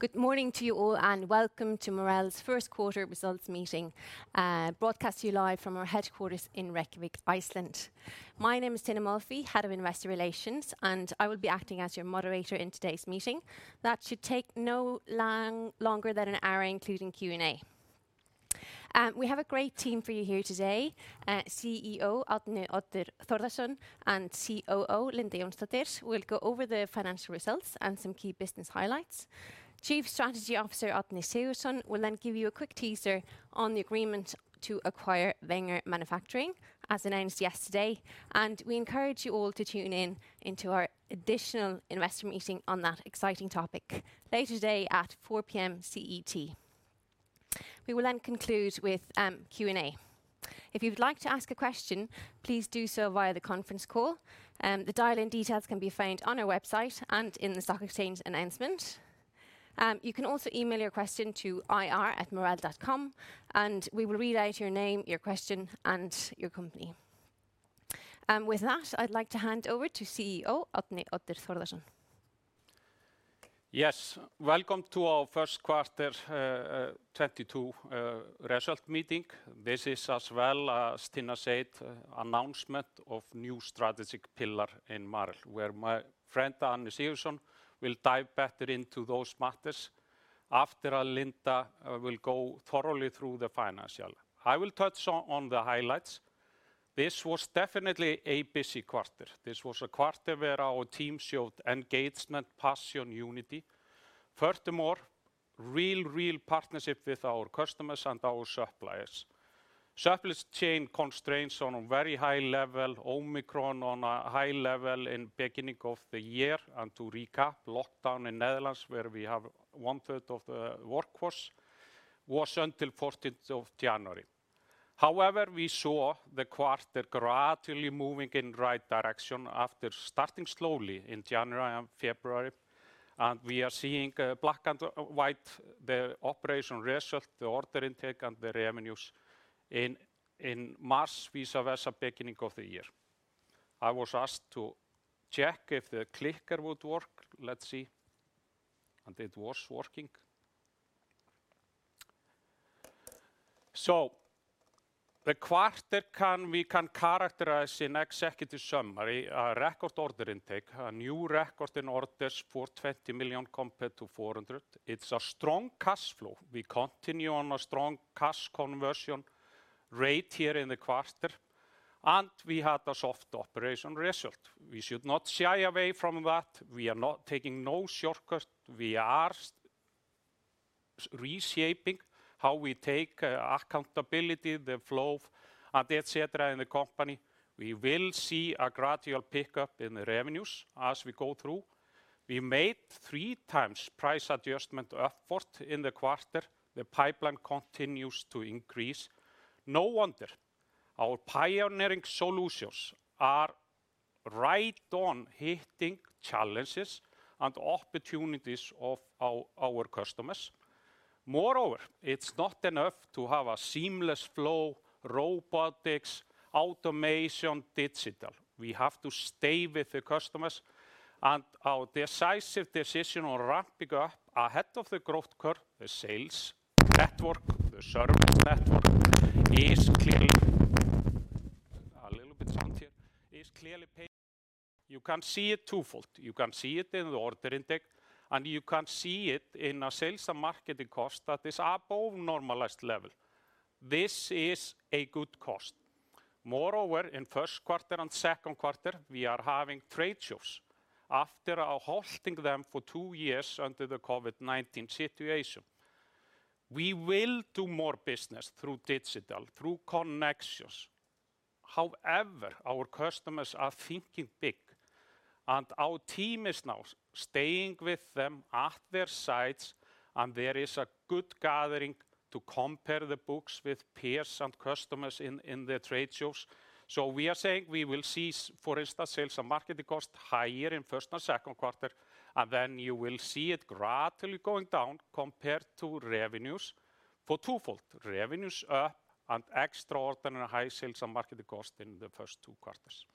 Good morning to you all, and welcome to Marel's Q1 results meeting, broadcast to you live from our headquarters in Reykjavik, Iceland. My name is Tinna Molphy, head of investor relations, and I will be acting as your moderator in today's meeting. That should take no longer than an hour, including Q&A. We have a great team for you here today. CEO Árni Oddur Þórðarson and COO Linda Jónsdóttir will go over the financial results and some key business highlights. Chief Strategy Officer Árni Sigurðsson will then give you a quick teaser on the agreement to acquire Wenger Manufacturing, as announced yesterday. We encourage you all to tune in to our additional investor meeting on that exciting topic later today at 4:00 P.M. CET. We will then conclude with Q&A. If you would like to ask a question, please do so via the conference call. The dial-in details can be found on our website and in the stock exchange announcement. You can also email your question to ir@marel.com, and we will read out your name, your question, and your company. With that, I'd like to hand over to CEO Árni Oddur Þórðarson. Yes. Welcome to our Q1 2022 results meeting. This is as well as Tinna said, announcement of new strategic pillar in Marel, where my friend Árni Sigurðsson will dive better into those matters after Linda will go thoroughly through the financial. I will touch on the highlights. This was definitely a busy quarter. This was a quarter where our team showed engagement, passion, unity. Furthermore, real partnership with our customers and our suppliers. Supply chain constraints on a very high level, Omicron on a high level in beginning of the year. To recap, lockdown in Netherlands, where we have one third of the workforce, was until 14th of January. However, we saw the quarter gradually moving in right direction after starting slowly in January and February, and we are seeing in black and white the operating result, the order intake, and the revenues in March vis-à-vis beginning of the year. I was asked to check if the clicker would work. Let's see. It was working. We can characterize in executive summary a record order intake, a new record in orders of 420 million compared to 400 million. It's a strong cash flow. We continue on a strong cash conversion rate here in the quarter, and we had a soft operating result. We should not shy away from that. We are not taking no shortcut. We are reshaping how we take accountability, the flow, and et cetera, in the company. We will see a gradual pickup in the revenues as we go through. We made 3x price adjustment upward in the quarter. The pipeline continues to increase. No wonder our pioneering solutions are right on hitting challenges and opportunities of our customers. Moreover, it's not enough to have a seamless flow, robotics, automation, digital. We have to stay with the customers and our decisive decision on ramping up ahead of the growth curve, the sales network, the service network is clearly paying. You can see it twofold. You can see it in the order intake, and you can see it in our sales and marketing cost that is above normalized level. This is a good cost. Moreover, in Q1 and Q2, we are having trade shows after halting them for two years under the COVID-19 situation. We will do more business through digital, through connections. However, our customers are thinking big, and our team is now staying with them at their sites, and there is a good gathering to compare the books with peers and customers in the trade shows. We are saying we will see for instance, sales and marketing cost higher in first and Q2, and then you will see it gradually going down compared to revenues for twofold. Revenues up and extraordinarily high sales and marketing cost in the first two quarters.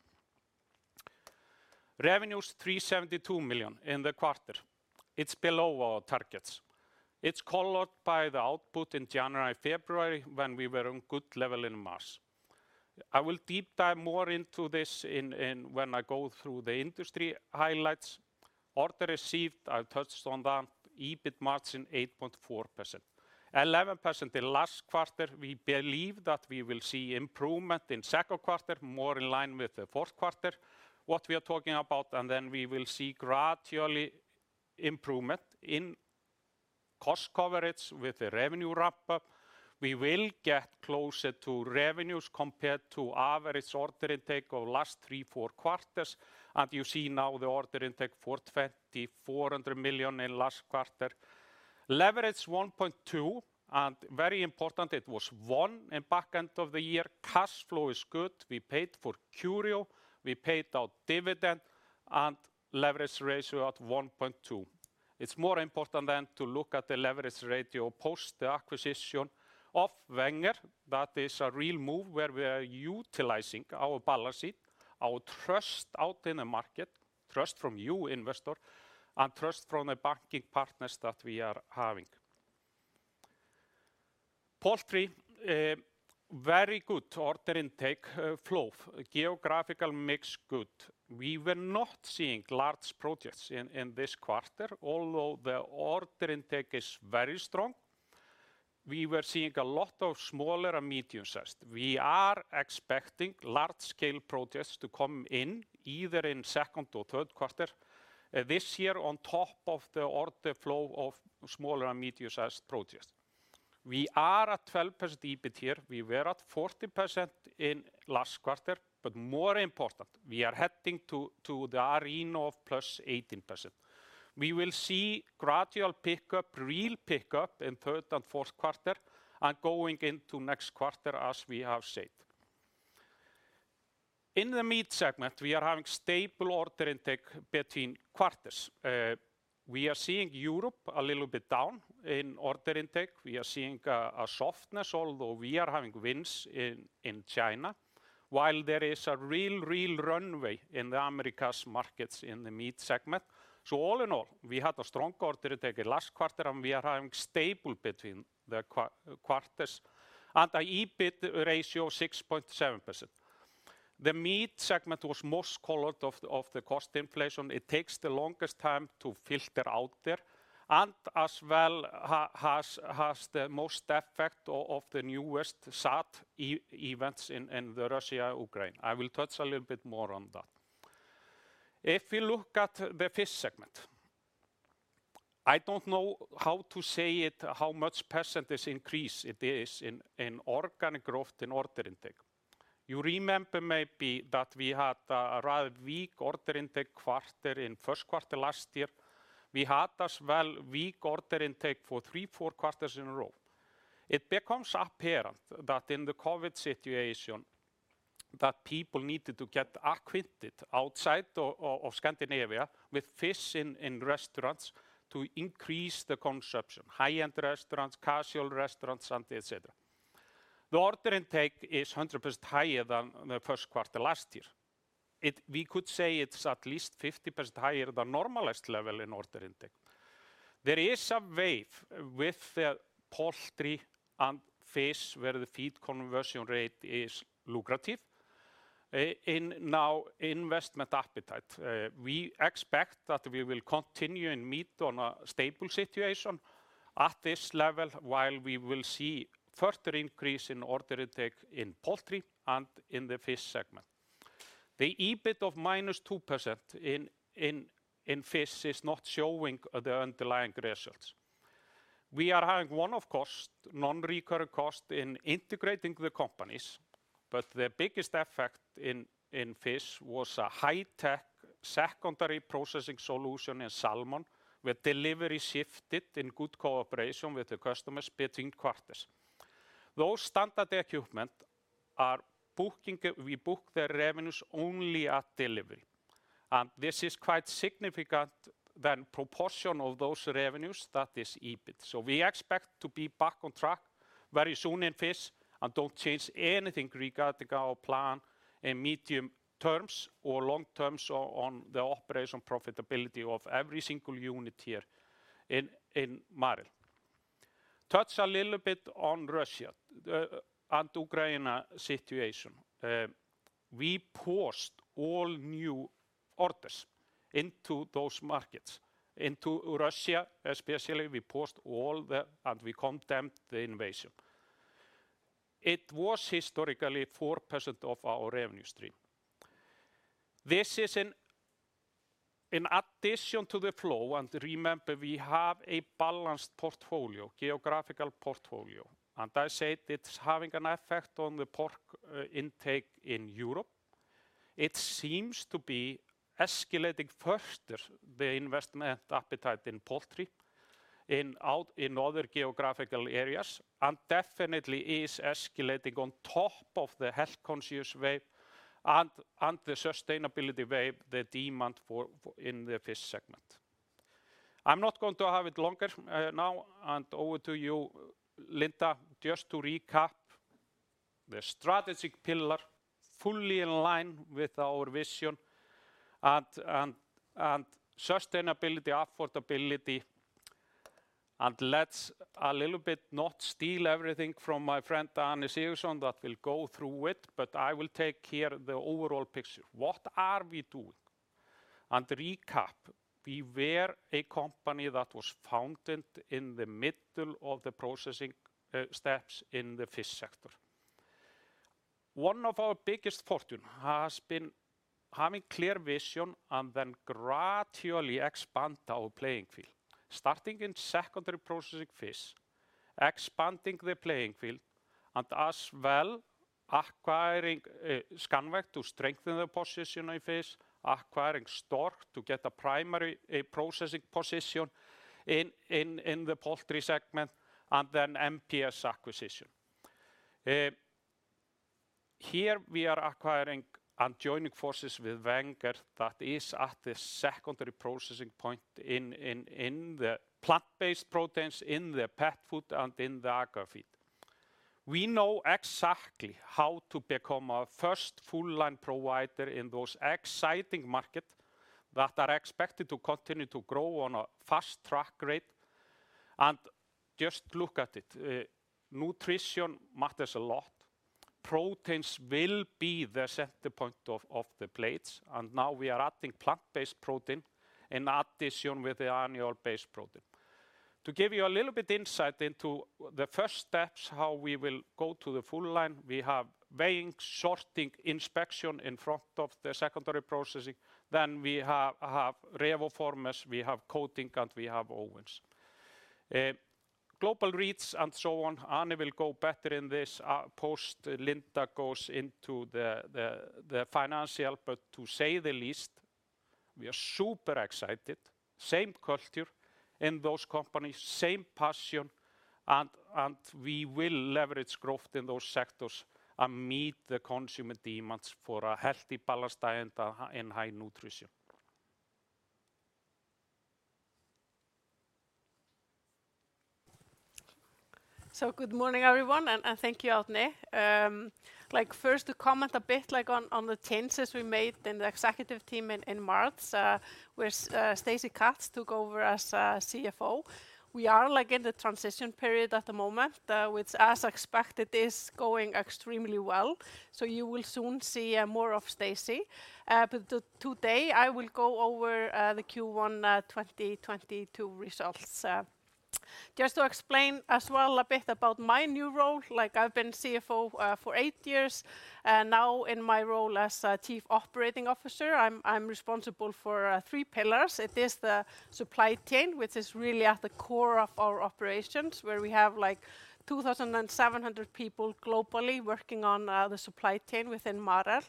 Revenues 372 million in the quarter. It's below our targets. It's colored by the output in January, February, when we were at a good level in March. I will deep dive more into this when I go through the industry highlights. Orders received, I touched on that. EBIT margin 8.4%. 11% in last quarter. We believe that we will see improvement in Q2, more in line with the Q4, what we are talking about, and then we will see gradually improvement in cost coverage with the revenue ramp-up. We will get closer to revenues compared to average order intake of last three, four quarters. You see now the order intake for 2,400 million in last quarter. Leverage 1.2, and very important it was one in back end of the year. Cash flow is good. We paid for Curio, we paid our dividend, and leverage ratio at 1.2. It's more important to look at the leverage ratio post the acquisition of Wenger. That is a real move where we are utilizing our balance sheet, our trust in the market, trust from you investors, and trust from the banking partners that we are having. Poultry, very good order intake flow. Geographical mix good. We were not seeing large projects in this quarter, although the order intake is very strong. We were seeing a lot of smaller and medium-sized. We are expecting large scale projects to come in either in second or Q3 this year on top of the order flow of smaller and medium-sized projects. We are at 12% EBIT here. We were at 40% in last quarter, but more important, we are heading to the arena of plus 18%. We will see gradual pickup, real pickup in third and Q4 and going into next quarter as we have said. In the meat segment, we are having stable order intake between quarters. We are seeing Europe a little bit down in order intake. We are seeing softness, although we are having wins in China, while there is a real runway in the Americas markets in the meat segment. All in all, we had a strong order intake in last quarter, and we are having stable between the quarters and a EBIT ratio 6.7%. The meat segment was most colored of the cost inflation. It takes the longest time to filter out there and as well has the most effect of the newest sad events in Russia, Ukraine. I will touch a little bit more on that. If you look at the fish segment, I don't know how to say it, how much percentage increase it is in organic growth in order intake. You remember maybe that we had a rather weak order intake quarter in Q1 last year. We had as well weak order intake for three, four quarters in a row. It becomes apparent that in the COVID-19 situation that people needed to get acquainted outside of Scandinavia with fish in restaurants to increase the consumption, high-end restaurants, casual restaurants, and et cetera. The order intake is 100% higher than the Q1 last year. We could say it's at least 50% higher than normalized level in order intake. There is a wave with the poultry and fish where the feed conversion rate is lucrative in now investment appetite. We expect that we will continue in meat on a stable situation at this level, while we will see further increase in order intake in poultry and in the fish segment. The EBIT of -2% in fish is not showing the underlying results. We are having one-off cost, non-recurring cost in integrating the companies, but the biggest effect in fish was a high-tech secondary processing solution in salmon, where delivery shifted in good cooperation with the customers between quarters. Those standard equipment, we book their revenues only at delivery, and this is quite a significant proportion of those revenues that is EBIT. We expect to be back on track very soon in fish and don't change anything regarding our plan in medium-term or long-term on the operational profitability of every single unit here in Marel. Touch a little bit on the Russia and Ukraine situation. We paused all new orders into those markets, into Russia especially, and we condemn the invasion. It was historically 4% of our revenue stream. This is in addition to the flow, and remember, we have a balanced portfolio, geographical portfolio, and I said it's having an effect on the pork intake in Europe. It seems to be escalating further the investment appetite in poultry in other geographical areas and definitely is escalating on top of the health-conscious wave and the sustainability wave, the demand for in the fish segment. I'm not going to have it longer now and over to you, Linda. Just to recap, the strategic pillar fully in line with our vision and sustainability, affordability, and let's a little bit not steal everything from my friend Árni Sigurðsson that will go through it, but I will take here the overall picture. What are we doing? Recap, we were a company that was founded in the middle of the processing steps in the fish sector. One of our biggest fortune has been having clear vision and then gradually expand our playing field, starting in secondary processing fish, expanding the playing field, and as well acquiring Scanvaegt to strengthen the position in fish, acquiring Stork to get a primary processing position in the poultry segment, and then MPS acquisition. Here we are acquiring and joining forces with Wenger that is at the secondary processing point in the plant-based proteins, in the pet food, and in the aqua feed. We know exactly how to become a first full line provider in those exciting market that are expected to continue to grow on a fast track rate. Just look at it, nutrition matters a lot. Proteins will be the center point of the plates, and now we are adding plant-based protein in addition with the animal-based protein. To give you a little bit insight into the first steps how we will go to the full line, we have weighing, sorting, inspection in front of the secondary processing. We have RevoFormers, we have coating, and we have ovens. grills and so on, Árni will go better in this post. Linda goes into the financials. To say the least, we are super excited. Same culture in those companies, same passion, and we will leverage growth in those sectors and meet the consumer demands for a healthy balanced diet and high nutrition. Good morning, everyone, and thank you, Árni. Like, first to comment a bit, like, on the changes we made in the executive team in March, with Stacey Katz took over as CFO. We are, like, in the transition period at the moment, which as expected is going extremely well, so you will soon see more of Stacey. But today I will go over the Q1 2022 results. Just to explain as well a bit about my new role, like, I've been CFO for eight years, and now in my role as Chief Operating Officer, I'm responsible for three pillars. It is the supply chain, which is really at the core of our operations, where we have, like, 2,700 people globally working on the supply chain within Marel.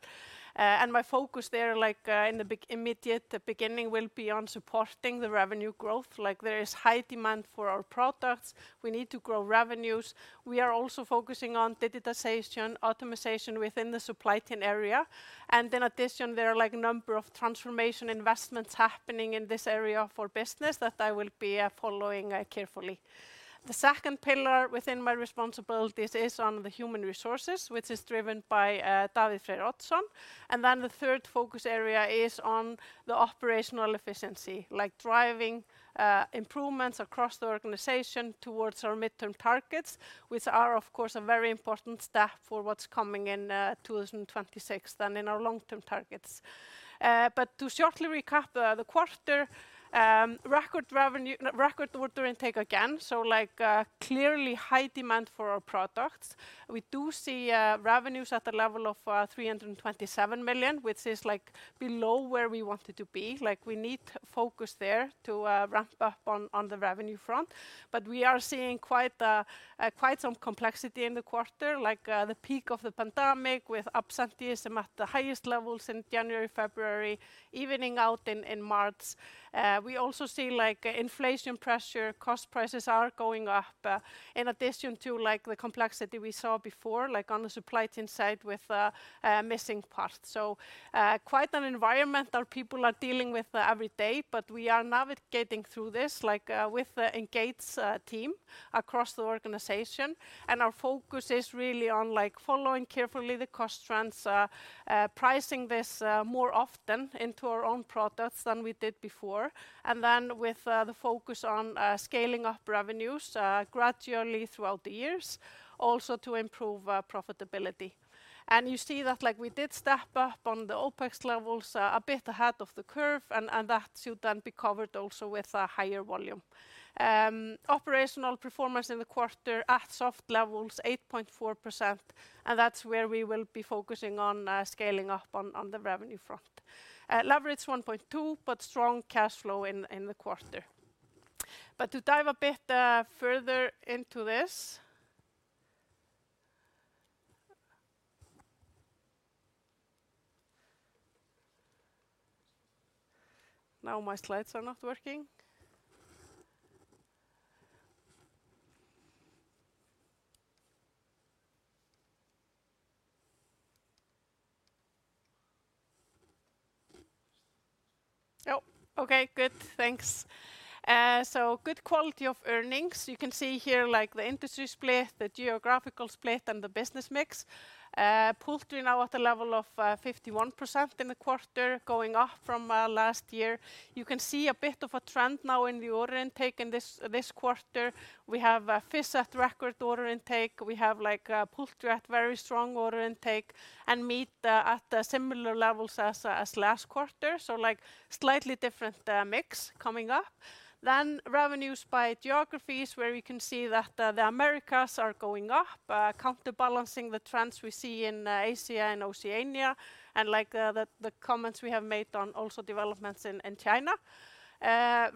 My focus there, like, in the immediate beginning will be on supporting the revenue growth. Like, there is high demand for our products. We need to grow revenues. We are also focusing on digitization, automation within the supply chain area. In addition, there are, like, a number of transformation investments happening in this area for business that I will be following carefully. The second pillar within my responsibilities is on the human resources, which is driven by David Freyr Oddsson. Then the third focus area is on the operational efficiency, like driving improvements across the organization towards our midterm targets, which are of course a very important step for what's coming in 2026 and in our long-term targets. To shortly recap the quarter, record revenue, record order intake again, so like, clearly high demand for our products. We do see revenues at the level of 327 million, which is like below where we wanted to be. Like, we need focus there to ramp up on the revenue front. We are seeing quite some complexity in the quarter, like the peak of the pandemic with absenteeism at the highest levels in January, February, evening out in March. We also see, like, inflation pressure, cost prices are going up, in addition to, like, the complexity we saw before, like, on the supply chain side with missing parts. Quite an environment our people are dealing with every day, but we are navigating through this, like, with the engaged team across the organization, and our focus is really on, like, following carefully the cost trends, pricing this more often into our own products than we did before, and then with the focus on scaling up revenues gradually throughout the years, also to improve profitability. You see that, like, we did step up on the OPEX levels a bit ahead of the curve, and that should then be covered also with a higher volume. Operational performance in the quarter at soft levels, 8.4%, and that's where we will be focusing on, scaling up on the revenue front. Leverage 1.2, but strong cash flow in the quarter. To dive a bit further into this. Now my slides are not working. Oh, okay. Good. Thanks. So good quality of earnings. You can see here, like, the industry split, the geographical split, and the business mix. Poultry now at a level of 51% in the quarter, going up from last year. You can see a bit of a trend now in the order intake in this quarter. We have fish at record order intake. We have, like, poultry at very strong order intake, and meat at similar levels as last quarter, so like slightly different mix coming up. Revenues by geographies, where we can see that the Americas are going up, counterbalancing the trends we see in Asia and Oceania, and like the comments we have made on also developments in China.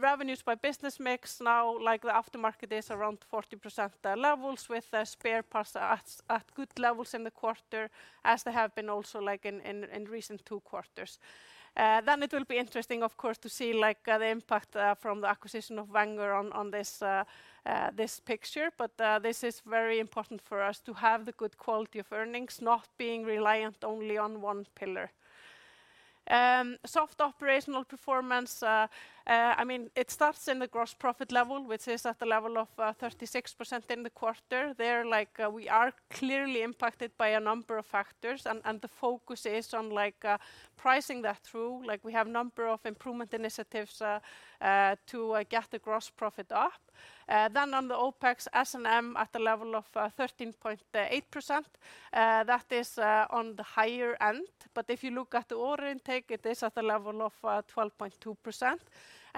Revenues by business mix now, like the aftermarket is around 40%, levels with spare parts at good levels in the quarter as they have been also like in recent two quarters. It will be interesting of course to see, like, the impact from the acquisition of Wenger on this picture. This is very important for us to have the good quality of earnings not being reliant only on one pillar. Soft operational performance, I mean, it starts in the gross profit level, which is at the level of 36% in the quarter. There, like, we are clearly impacted by a number of factors and the focus is on like, pricing that through. Like, we have a number of improvement initiatives to get the gross profit up. Then on the OPEX, S&M at the level of 13.8%. That is on the higher end. If you look at the order intake, it is at a level of 12.2%.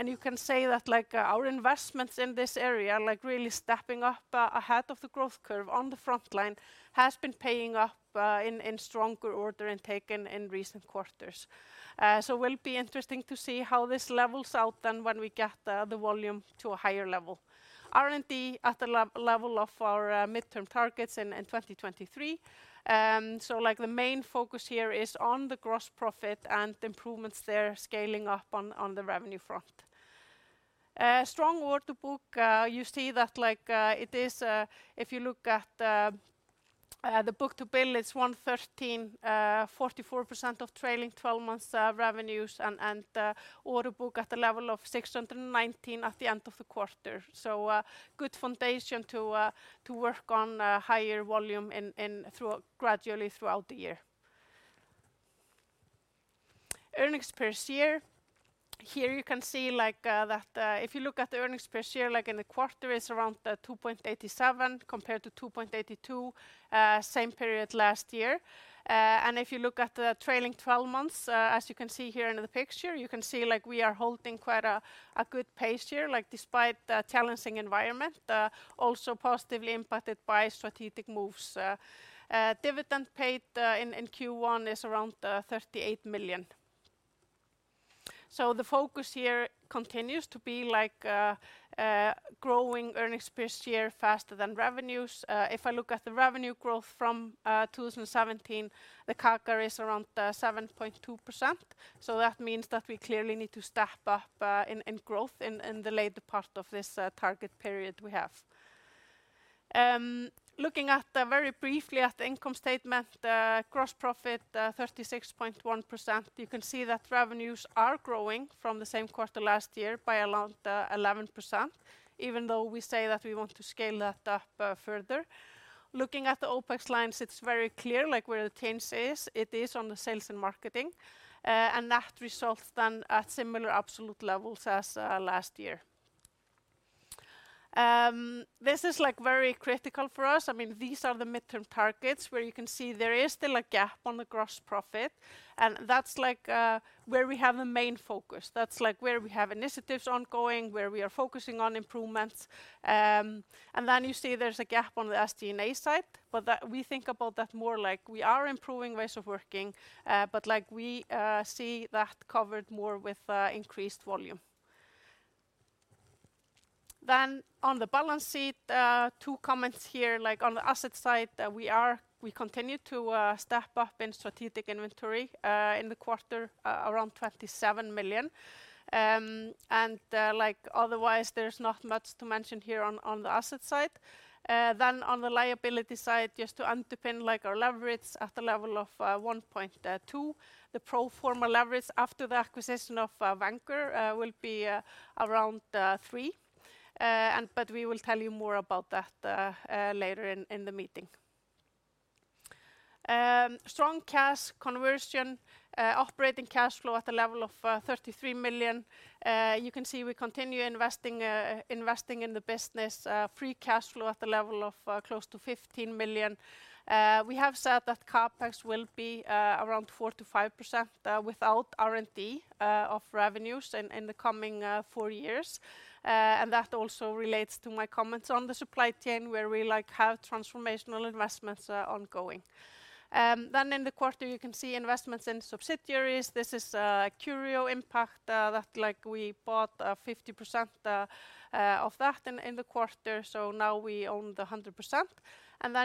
You can say that, like, our investments in this area, like really stepping up ahead of the growth curve on the frontline has been paying off in stronger order intake in recent quarters. It will be interesting to see how this levels out then when we get the volume to a higher level. R&D at the level of our midterm targets in 2023. Like the main focus here is on the gross profit and the improvements there scaling up on the revenue front. Strong order book, you see that like, it is, if you look at the book-to-bill, it's 1.13, 44% of trailing 12 months revenues and order book at the level of 619 million at the end of the quarter. Good foundation to work on higher volume gradually throughout the year. Earnings per share. Here you can see like that if you look at the earnings per share like in the quarter is around 2.87 compared to 2.82 same period last year. If you look at the trailing twelve months as you can see here in the picture you can see like we are holding quite a good pace here like despite the challenging environment also positively impacted by strategic moves. Dividend paid in Q1 is around 38 million. The focus here continues to be like growing earnings per share faster than revenues. If I look at the revenue growth from 2017, the CAGR is around 7.2%. That means that we clearly need to step up in growth in the later part of this target period we have. Looking very briefly at the income statement, gross profit 36.1%. You can see that revenues are growing from the same quarter last year by around 11%, even though we say that we want to scale that up further. Looking at the OPEX lines, it's very clear like where the change is. It is on the sales and marketing. That results then at similar absolute levels as last year. This is like very critical for us. I mean, these are the midterm targets where you can see there is still a gap on the gross profit, and that's like where we have the main focus. That's like where we have initiatives ongoing, where we are focusing on improvements. You see there's a gap on the SG&A side, but that we think about that more like we are improving ways of working, but like we see that covered more with increased volume. On the balance sheet, two comments here, like on the asset side, we continue to step up in strategic inventory in the quarter, around 27 million. Like otherwise, there's not much to mention here on the asset side. On the liability side, just to underpin like our leverage at the level of 1.2. The pro forma leverage after the acquisition of Wenger will be around three. But we will tell you more about that later in the meeting. Strong cash conversion. Operating cash flow at the level of 33 million. You can see we continue investing in the business. Free cash flow at the level of close to 15 million. We have said that CapEx will be around 4%-5% without R&D of revenues in the coming four years. That also relates to my comments on the supply chain where we like have transformational investments ongoing. In the quarter, you can see investments in subsidiaries. This is Curio impact that like we bought 50% of that in the quarter. Now we own 100%.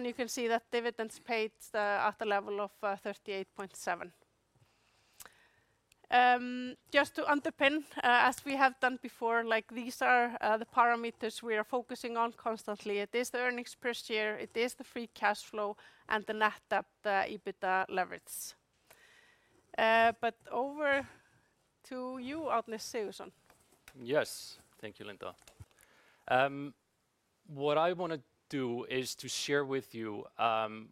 You can see that dividends paid at the level of 38.7. Just to underpin as we have done before, like these are the parameters we are focusing on constantly. It is the earnings per share, it is the free cash flow, and the net debt EBITDA leverage. Over to you, Árni Sigurðsson. Yes. Thank you, Linda. What I want to do is to share with you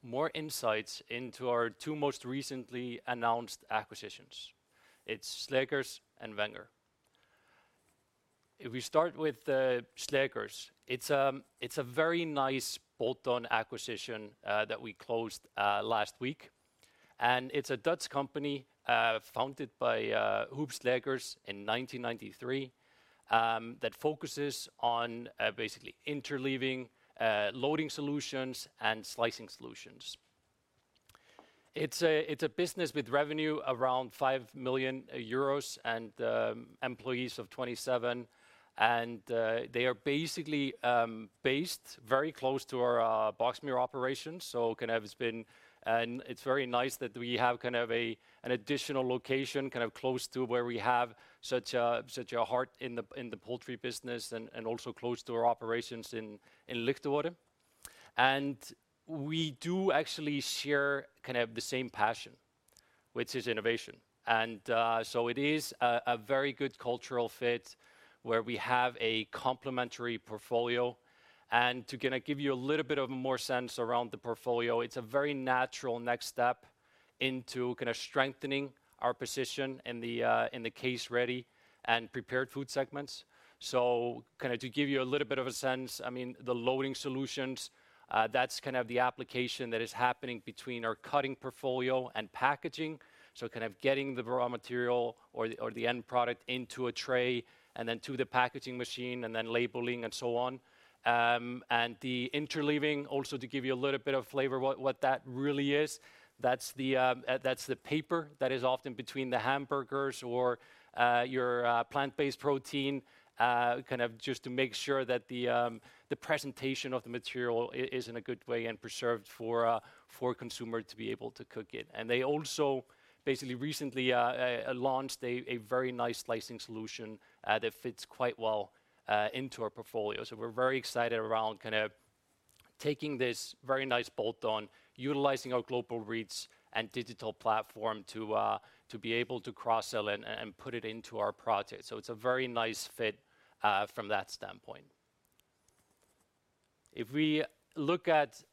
more insights into our two most recently announced acquisitions. It's Sleegers and Wenger. If we start with Sleegers, it's a very nice bolt-on acquisition that we closed last week. It's a Dutch company founded by Huub Sleegers in 1993 that focuses on basically interleaving, loading solutions and slicing solutions. It's a business with revenue around 5 million euros and employees of 27, and they are basically based very close to our Boxmeer operations. It's very nice that we have kind of an additional location, kind of close to where we have such a heart in the poultry business and also close to our operations in Lichtenvoorde. We do actually share kind of the same passion, which is innovation. It is a very good cultural fit where we have a complementary portfolio. To kinda give you a little bit of more sense around the portfolio, it's a very natural next step into kinda strengthening our position in the case ready and prepared food segments. Kinda to give you a little bit of a sense, I mean, the loading solutions, that's kind of the application that is happening between our cutting portfolio and packaging, kind of getting the raw material or the end product into a tray and then to the packaging machine, and then labeling and so on. The interleaving also to give you a little bit of flavor what that really is, that's the paper that is often between the hamburgers or your plant-based protein, kind of just to make sure that the presentation of the material is in a good way and preserved for a consumer to be able to cook it. They also basically recently launched a very nice slicing solution that fits quite well into our portfolio. We're very excited around kinda taking this very nice bolt-on, utilizing our global reach and digital platform to be able to cross-sell and put it into our project. It's a very nice fit from that standpoint. If we look at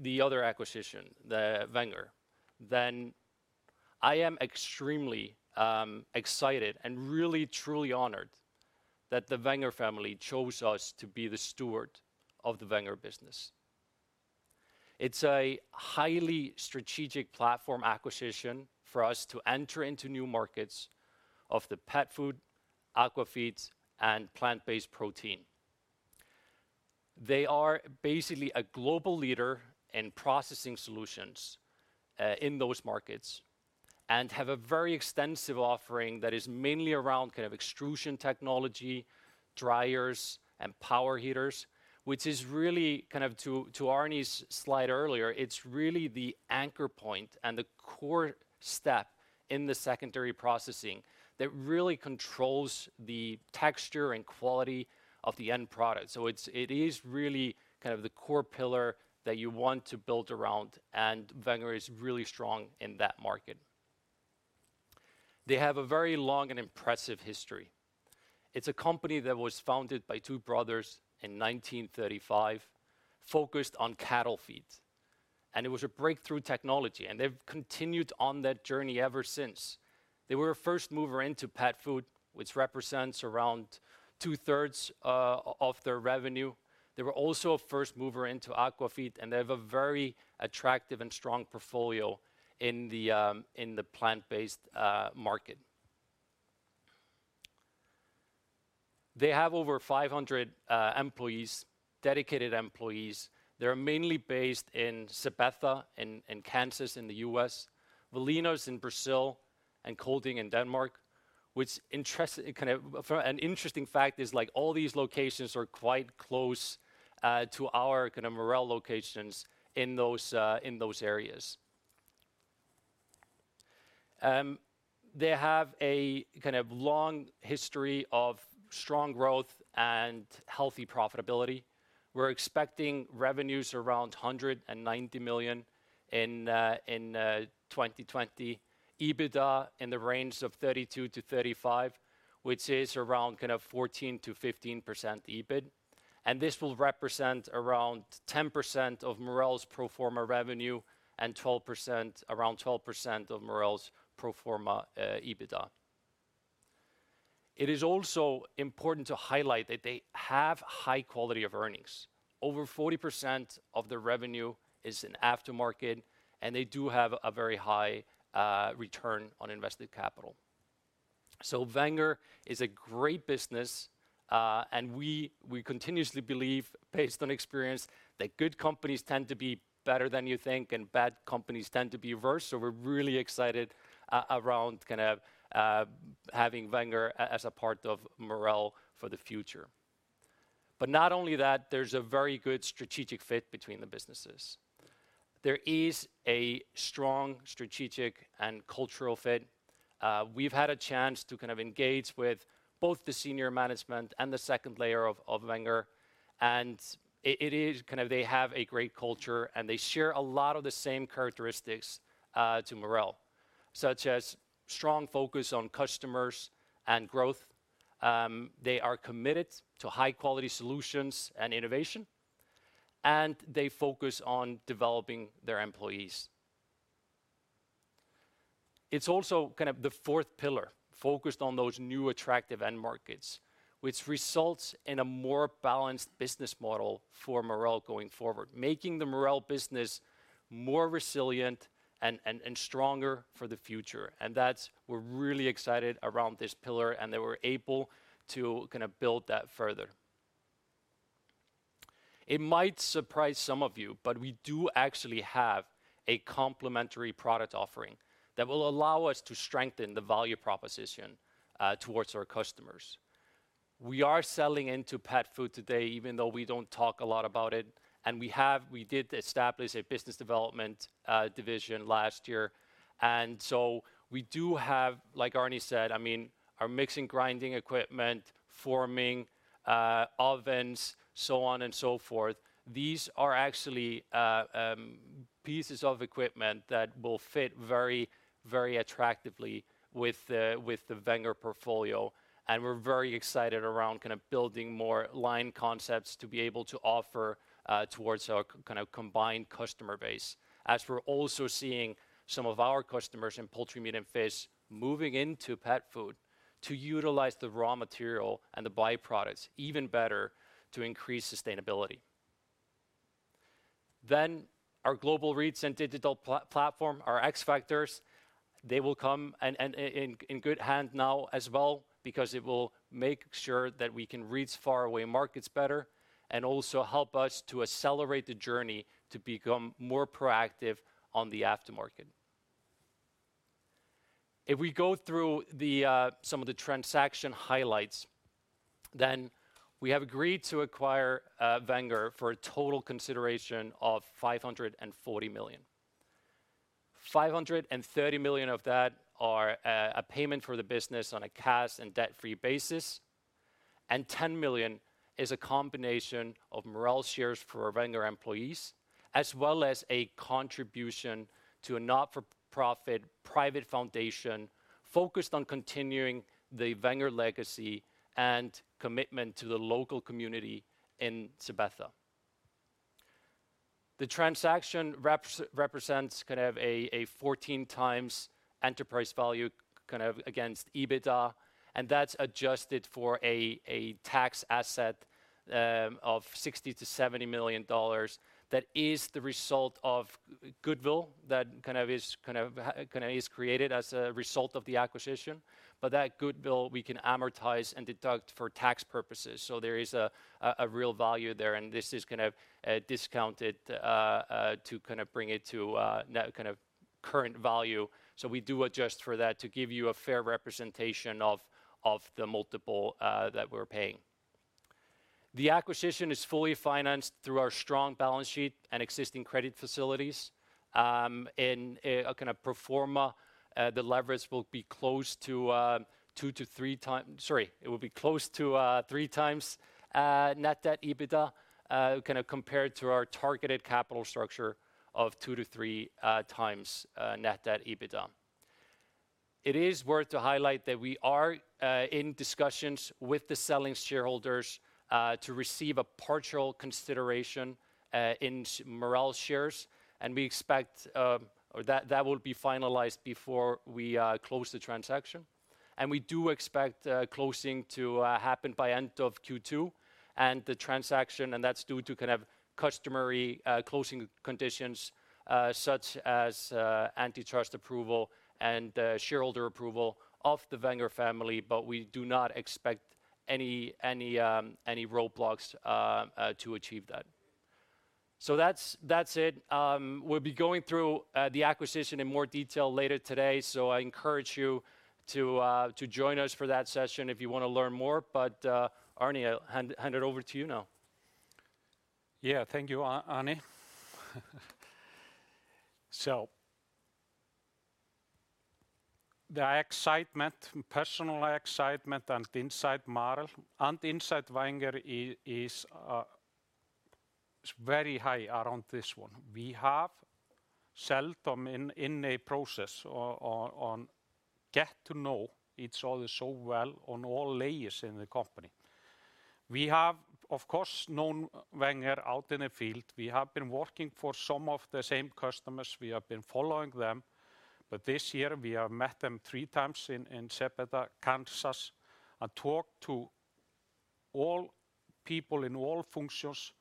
the other acquisition, the Wenger, then I am extremely excited and really truly honored that the Wenger family chose us to be the steward of the Wenger business. It's a highly strategic platform acquisition for us to enter into new markets of the pet food, aqua feeds, and plant-based protein. They are basically a global leader in processing solutions in those markets and have a very extensive offering that is mainly around kind of extrusion technology, dryers and pellet coolers, which is really kind of to Árni's slide earlier, it's really the anchor point and the core step in the secondary processing that really controls the texture and quality of the end product. It is really kind of the core pillar that you want to build around, and Wenger is really strong in that market. They have a very long and impressive history. It's a company that was founded by two brothers in 1935, focused on cattle feed, and it was a breakthrough technology, and they've continued on that journey ever since. They were a first mover into pet food, which represents around two-thirds of their revenue. They were also a first mover into aqua feed, and they have a very attractive and strong portfolio in the plant-based market. They have over 500 dedicated employees. They're mainly based in Sabetha in Kansas, in the U.S., Valinhos in Brazil and Kolding in Denmark, which is kind of an interesting fact: like all these locations are quite close to our kinda Marel locations in those areas. They have a kind of long history of strong growth and healthy profitability. We're expecting revenues around 190 million in 2020. EBITDA in the range of 32-35 million, which is around kind of 14%-15% EBIT. This will represent around 10% of Marel's pro forma revenue and 12%, around 12% of Marel's pro forma EBITDA. It is also important to highlight that they have high quality of earnings. Over 40% of their revenue is in aftermarket, and they do have a very high return on invested capital. Wenger is a great business, and we continuously believe based on experience that good companies tend to be better than you think and bad companies tend to be worse. We're really excited around kind of having Wenger as a part of Marel for the future. Not only that, there's a very good strategic fit between the businesses. There is a strong strategic and cultural fit. We've had a chance to kind of engage with both the senior management and the second layer of Wenger, and they have a great culture, and they share a lot of the same characteristics as Marel, such as strong focus on customers and growth. They are committed to high-quality solutions and innovation, and they focus on developing their employees. It's also kind of the fourth pillar focused on those new attractive end markets, which results in a more balanced business model for Marel going forward, making the Marel business more resilient and stronger for the future. We're really excited around this pillar, and that we're able to kinda build that further. It might surprise some of you, but we do actually have a complementary product offering that will allow us to strengthen the value proposition towards our customers. We are selling into pet food today, even though we don't talk a lot about it, and we did establish a business development division last year. We do have, like Árni said, I mean, our mixing grinding equipment, forming, ovens, so on and so forth. These are actually key pieces of equipment that will fit very, very attractively with the Wenger portfolio. We're very excited around kind of building more line concepts to be able to offer towards our kind of combined customer base, as we're also seeing some of our customers in poultry, meat, and fish moving into pet food to utilize the raw material and the byproducts even better to increase sustainability. Our global reach and digital platform, our X factors, they will come and in good hands now as well because it will make sure that we can reach faraway markets better and also help us to accelerate the journey to become more proactive on the aftermarket. If we go through some of the transaction highlights, then we have agreed to acquire Wenger for a total consideration of $540 million. $530 million of that are a payment for the business on a cash and debt-free basis, and $10 million is a combination of Marel shares for our Wenger employees, as well as a contribution to a not-for-profit private foundation focused on continuing the Wenger legacy and commitment to the local community in Sabetha. The transaction represents kind of a 14x enterprise value kind of against EBITDA, and that's adjusted for a tax asset of $60-$70 million that is the result of goodwill that kind of is created as a result of the acquisition. That goodwill we can amortize and deduct for tax purposes. There is a real value there, and this is kind of discounted to kind of bring it to kind of current value. We do adjust for that to give you a fair representation of the multiple that we're paying. The acquisition is fully financed through our strong balance sheet and existing credit facilities. In a kind of pro forma, the leverage will be close to 3x net debt to EBITDA, kind of compared to our targeted capital structure of 2x-3x net debt to EBITDA. It is worth to highlight that we are in discussions with the selling shareholders to receive a partial consideration in Marel shares, and we expect that will be finalized before we close the transaction. We do expect closing to happen by end of Q2. The transaction, that's due to kind of customary closing conditions such as antitrust approval and shareholder approval of the Wenger family, but we do not expect any roadblocks to achieve that. That's it. We'll be going through the acquisition in more detail later today, so I encourage you to join us for that session if you wanna learn more. Árni, I'll hand it over to you now. Thank you, Árni. The excitement, personal excitement and inside Marel and inside Wenger is very high around this one. We have seldom in a process or get to know each other so well on all layers in the company. We have, of course, known Wenger out in the field. We have been working for some of the same customers. We have been following them. This year, we have met them 3x in Sabetha, Kansas, and talked to all people in all functions,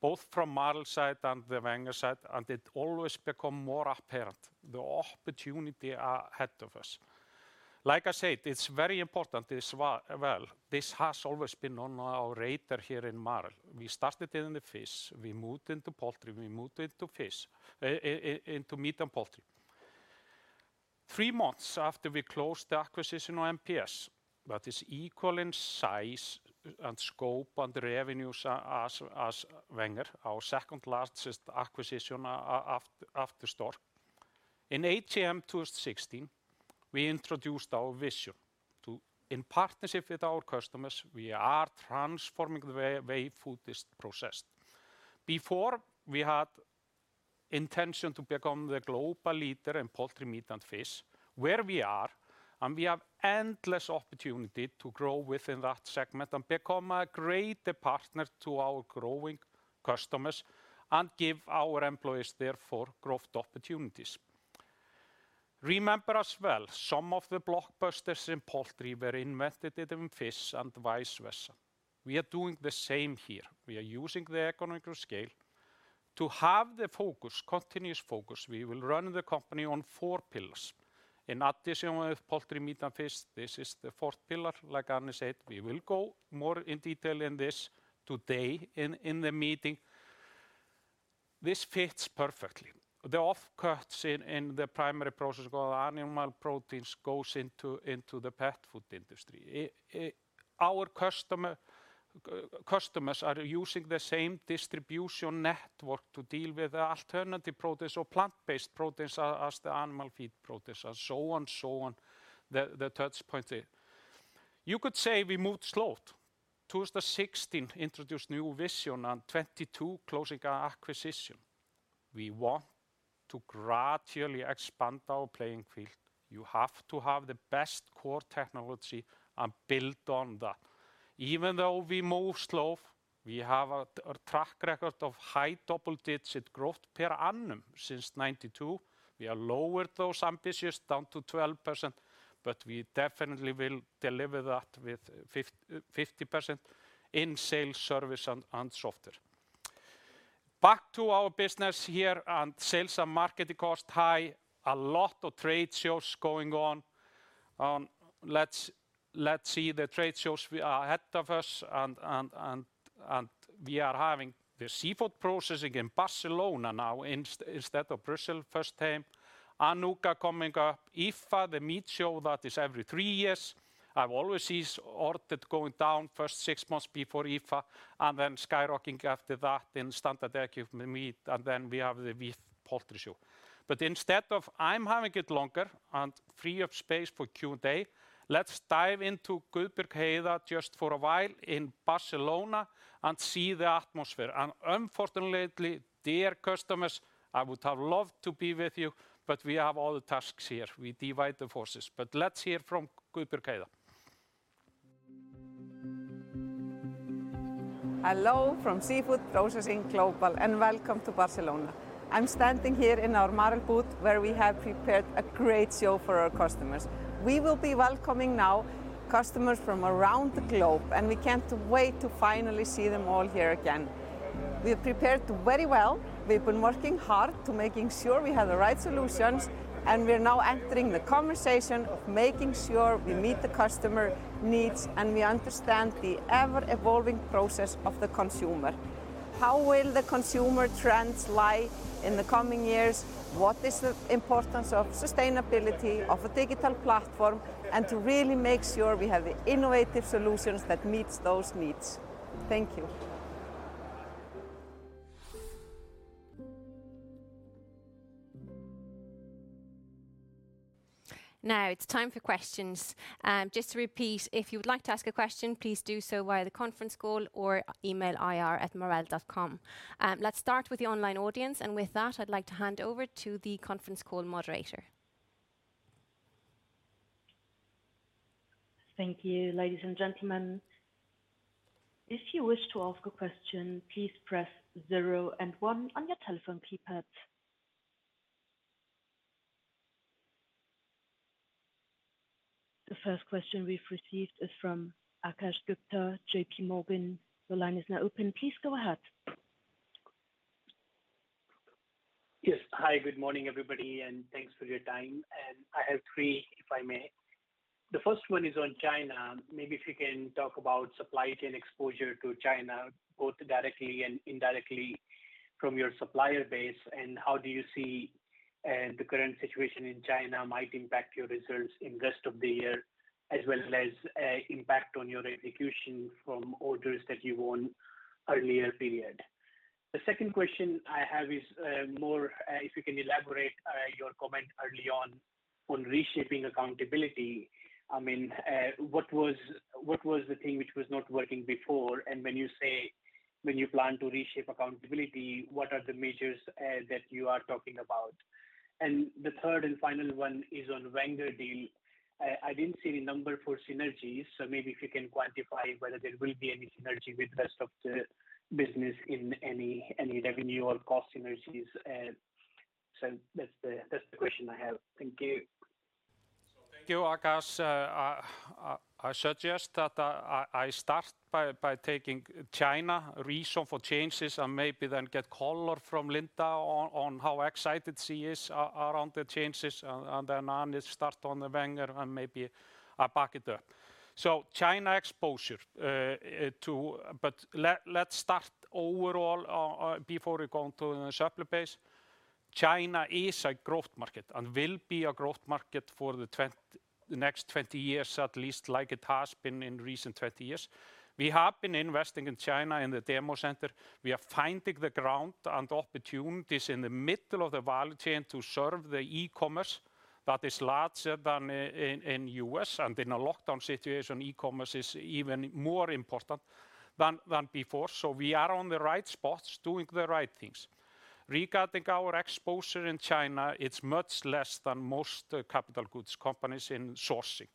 both from Marel's side and the Wenger side, and it always become more apparent the opportunity ahead of us. Like I said, it's very important this well. This has always been on our radar here in Marel. We started in the fish. We moved into poultry. We moved into fish. Into meat and poultry. Three months after we closed the acquisition on MPS, that is equal in size and scope and revenues as as Wenger, our second-largest acquisition after Stork. In CMD 2016, we introduced our vision to, in partnership with our customers, we are transforming the way food is processed. Before, we had intention to become the global leader in poultry, meat, and fish, where we are, and we have endless opportunity to grow within that segment and become a greater partner to our growing customers and give our employees therefore growth opportunities. Remember as well, some of the blockbusters in poultry were invented in fish and vice versa. We are doing the same here. We are using the economies of scale. To have the focus, continuous focus, we will run the company on four pillars. In addition to poultry, meat, and fish, this is the fourth pillar. Like Árni said, we will go more in detail in this today in the meeting. This fits perfectly. The offcuts in the primary process of animal proteins goes into the pet food industry. Our customers are using the same distribution network to deal with the alternative proteins or plant-based proteins as the animal feed proteins and so on, the touchpoint there. You could say we moved slow. 2016 introduced new vision and 2022 closing our acquisition. We want to gradually expand our playing field. You have to have the best core technology and build on that. Even though we move slow, we have a track record of high double-digit growth per annum since 1992. We are lowering those ambitions down to 12%, but we definitely will deliver that with 50% in sales, service and software. Back to our business here and sales and marketing cost high. A lot of trade shows going on. Let's see the trade shows we are ahead of us and we are having the Seafood Processing Global in Barcelona now instead of Brussels first time. Anuga FoodTec coming up. IFFA, the meat show that is every three years. I've always see orders going down first six months before IFFA and then skyrocketing after that in standard equipment meat, and then we have the meat poultry show. Instead of I'm having it longer and free up space for Q&A, let's dive into Gudbjorg Heida just for a while in Barcelona and see the atmosphere. Unfortunately, dear customers, I would have loved to be with you, but we have other tasks here. We divide the forces. Let's hear from Gudbjorg Heida. Hello from Seafood Processing Global, and welcome to Barcelona. I'm standing here in our Marel booth where we have prepared a great show for our customers. We will be welcoming now customers from around the globe, and we can't wait to finally see them all here again. We are prepared very well. We've been working hard to making sure we have the right solutions, and we are now entering the conversation of making sure we meet the customer needs and we understand the ever-evolving process of the consumer. How will the consumer trends lie in the coming years? What is the importance of sustainability of a digital platform? To really make sure we have innovative solutions that meets those needs. Thank you. Now it's time for questions. Just to repeat, if you would like to ask a question, please do so via the conference call or email ir@Marel.com. Let's start with the online audience. With that, I'd like to hand over to the conference call moderator. Thank you, ladies and gentlemen. If you wish to ask a question, please press zero and one on your telephone keypad. The first question we've received is from Akash Gupta, JPMorgan. The line is now open. Please go ahead. Yes. Hi, good morning, everybody, and thanks for your time. I have three, if I may. The first one is on China. Maybe if you can talk about supply chain exposure to China, both directly and indirectly from your supplier base, and how do you see the current situation in China might impact your results in rest of the year as well as impact on your execution from orders that you won earlier period. The second question I have is more if you can elaborate your comment early on reshaping accountability. I mean, what was the thing which was not working before? When you say you plan to reshape accountability, what are the measures that you are talking about? The third and final one is on Wenger deal. I didn't see the number for synergies, so maybe if you can quantify whether there will be any synergy with rest of the business in any revenue or cost synergies. That's the question I have. Thank you. Thank you, Akash Gupta. I suggest that I start by taking China, reason for changes and maybe then get color from Linda Jónsdóttir on how excited she is about the changes and then Hannes start on the Wenger and maybe I back it up. China exposure. Let's start overall before we go into the supplier base. China is a growth market and will be a growth market for the next 20 years, at least like it has been in recent 20 years. We have been investing in China in the demo center. We are gaining ground and opportunities in the middle of the value chain to serve the e-commerce that is larger than in U.S. In a lockdown situation, e-commerce is even more important than before. We are on the right spots doing the right things. Regarding our exposure in China, it's much less than most capital goods companies in sourcing.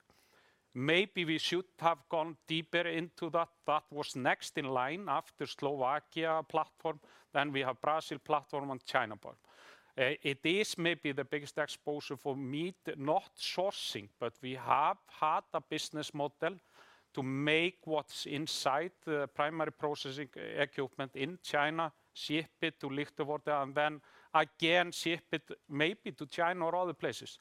Maybe we should have gone deeper into that. That was next in line after Slovakia platform, then we have Brazil platform and China platform. It is maybe the biggest exposure for meat, not sourcing, but we have had a business model to make what's inside the primary processing equipment in China, ship it to Lichtenvoorde, and then again ship it maybe to China or other places.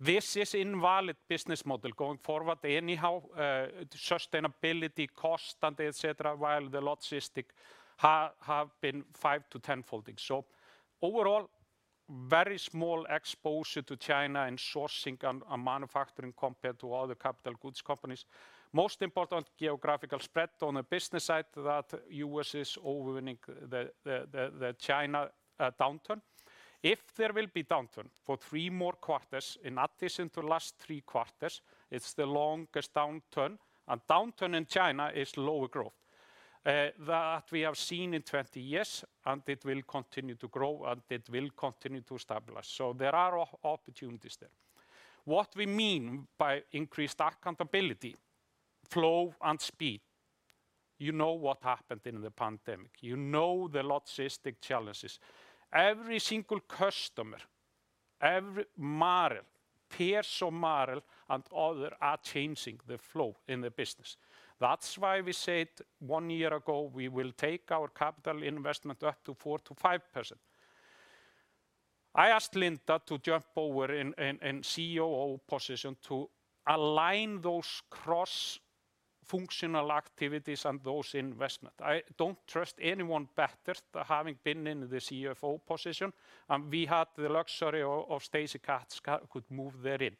This is invalid business model going forward anyhow, sustainability cost and et cetera, while the logistic have been five-10 folding. Overall, very small exposure to China in sourcing and manufacturing compared to other capital goods companies. Most important geographical spread on the business side that US is outweighing the China downturn. If there will be downturn for three more quarters in addition to last three quarters, it's the longest downturn, and downturn in China is lower growth that we have seen in 20 years, and it will continue to grow, and it will continue to stabilize. There are opportunities there. What we mean by increased accountability, flow and speed. You know what happened in the pandemic. You know the logistics challenges. Every single customer, every Marel peer, peers of Marel and others are changing the flow in the business. That's why we said one year ago, we will take our capital investment up to 4%-5%. I asked Linda to jump over in COO position to align those cross-functional activities and those investments. I don't trust anyone better than having been in the CFO position, and we had the luxury of Stacey Katz could move there in.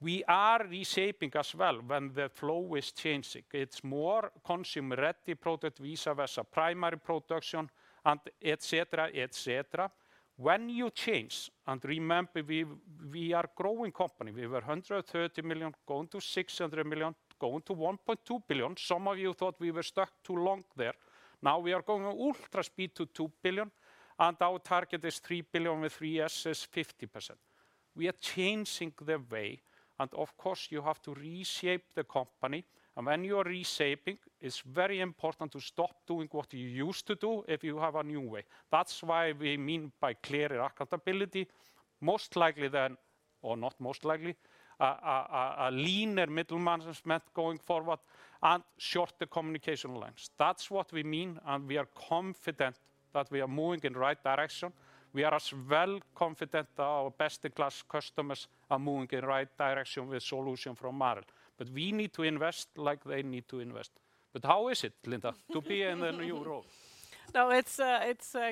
We are reshaping as well when the flow is changing. It's more consumer-ready product vis-à-vis a primary production and et cetera, et cetera. When you change, remember we are growing company, we were 130 million, going to 600 million, going to 1.2 billion. Some of you thought we were stuck too long there. Now we are going ultra-speed to 2 billion, and our target is 3 billion with three S's 50%. We are changing the way, and of course, you have to reshape the company. When you are reshaping, it's very important to stop doing what you used to do if you have a new way. That's why we mean by clear accountability, most likely a leaner middle management going forward and shorter communication lines. That's what we mean, and we are confident that we are moving in right direction. We are as well confident that our best-in-class customers are moving in right direction with solution from Marel. We need to invest like they need to invest. How is it, Linda Jónsdóttir, to be in the new role? No, it's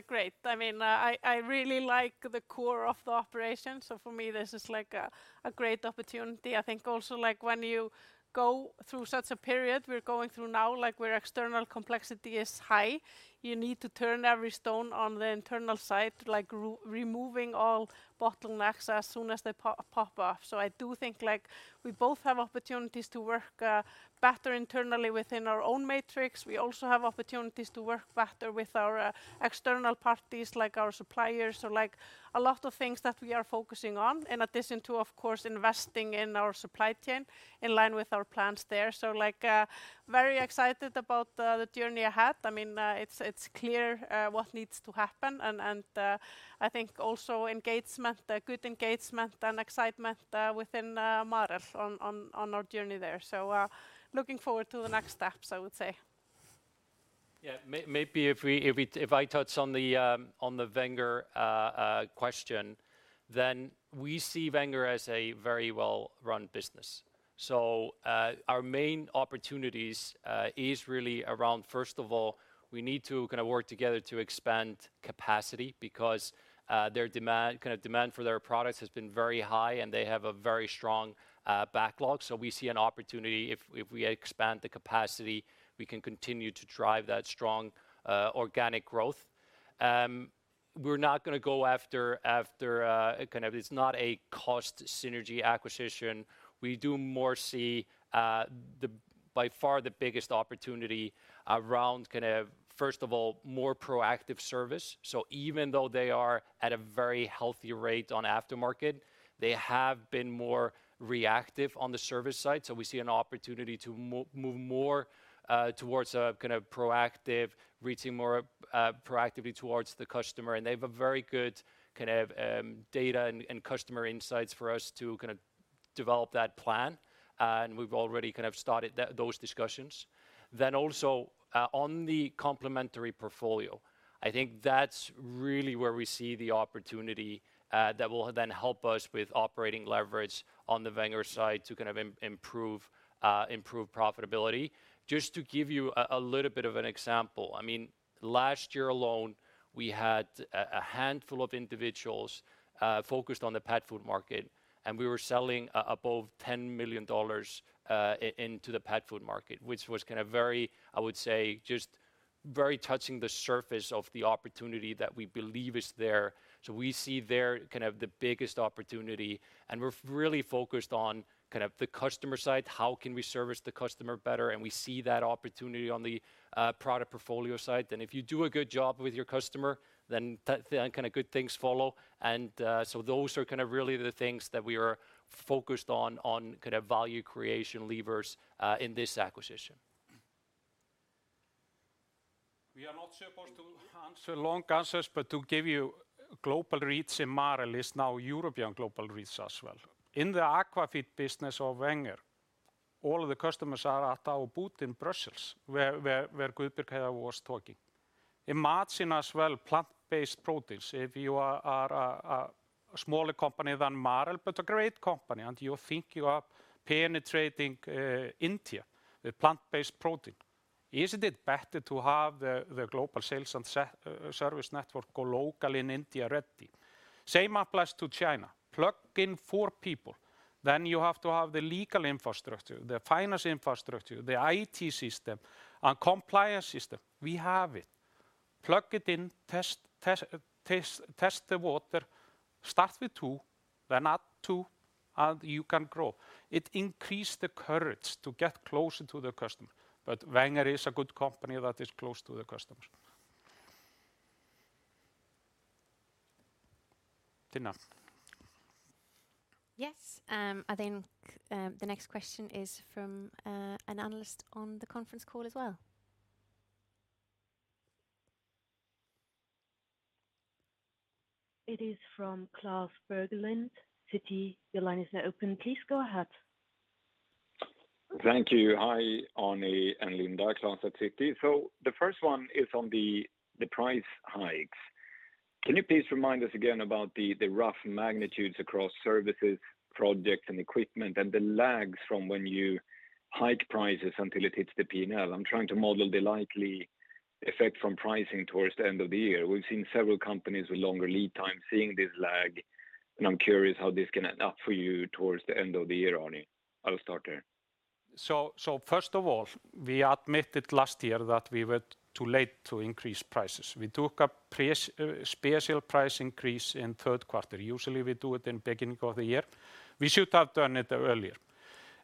great. I mean, I really like the core of the operation, so for me, this is like a great opportunity. I think also like when you go through such a period we're going through now, like where external complexity is high, you need to turn every stone on the internal side, like removing all bottlenecks as soon as they pop up. I do think like we both have opportunities to work better internally within our own matrix. We also have opportunities to work better with our external parties like our suppliers. Like a lot of things that we are focusing on, in addition to, of course, investing in our supply chain in line with our plans there. Like very excited about the journey ahead I mean, it's clear what needs to happen and I think also engagement, good engagement and excitement within Marel on our journey there. Looking forward to the next steps, I would say. Yeah. Maybe if I touch on the Wenger question, then we see Wenger as a very well-run business. Our main opportunities is really around, first of all, we need to kind of work together to expand capacity because their demand for their products has been very high, and they have a very strong backlog. We see an opportunity. If we expand the capacity, we can continue to drive that strong organic growth. We're not gonna go after kind of. It's not a cost synergy acquisition. We see more by far the biggest opportunity around kind of, first of all, more proactive service. Even though they are at a very healthy rate on aftermarket, they have been more reactive on the service side. We see an opportunity to move more towards a kind of proactive, reaching more proactively towards the customer. They have a very good kind of data and customer insights for us to kind of develop that plan. We've already kind of started those discussions. Also, on the complementary portfolio, I think that's really where we see the opportunity, that will then help us with operating leverage on the Wenger side to kind of improve profitability. Just to give you a little bit of an example, I mean, last year alone, we had a handful of individuals focused on the pet food market, and we were selling above $10 million into the pet food market, which was kind of very, I would say, just very touching the surface of the opportunity that we believe is there. We see there kind of the biggest opportunity, and we're really focused on kind of the customer side, how can we service the customer better, and we see that opportunity on the product portfolio side. Then if you do a good job with your customer, then kind of good things follow. Those are kind of really the things that we are focused on kind of value creation levers in this acquisition. We are not supposed to answer long answers, but to give you global reach in Marel is now European global reach as well. In the aquafeed business of Wenger, all of the customers are at our booth in Brussels, where Gudbjorg Heida was talking. Imagine as well plant-based proteins. If you are a smaller company than Marel, but a great company, and you think you are penetrating India with plant-based protein. Isn't it better to have the global sales and service network go local in India ready? Same applies to China. Plug in four people. Then you have to have the legal infrastructure, the finance infrastructure, the IT system and compliance system. We have it. Plug it in, test the water. Start with two, then add two, and you can grow. It increased the courage to get closer to the customer. Wenger is a good company that is close to the customers. Tinna? Yes. I think the next question is from an analyst on the conference call as well. It is from Klas Bergelind,. Your line is now open. Please go ahead. Thank you. Hi, Árni and Linda. Klas Bergelind at Citi. The first one is on the price hikes. Can you please remind us again about the rough magnitudes across services, projects, and equipment, and the lags from when you hike prices until it hits the P&L? I'm trying to model the likely effect from pricing towards the end of the year. We've seen several companies with longer lead time seeing this lag, and I'm curious how this can add up for you towards the end of the year, Árni. I'll start there. First of all, we admitted last year that we were too late to increase prices. We took a special price increase in Q3. Usually, we do it in beginning of the year. We should have done it earlier.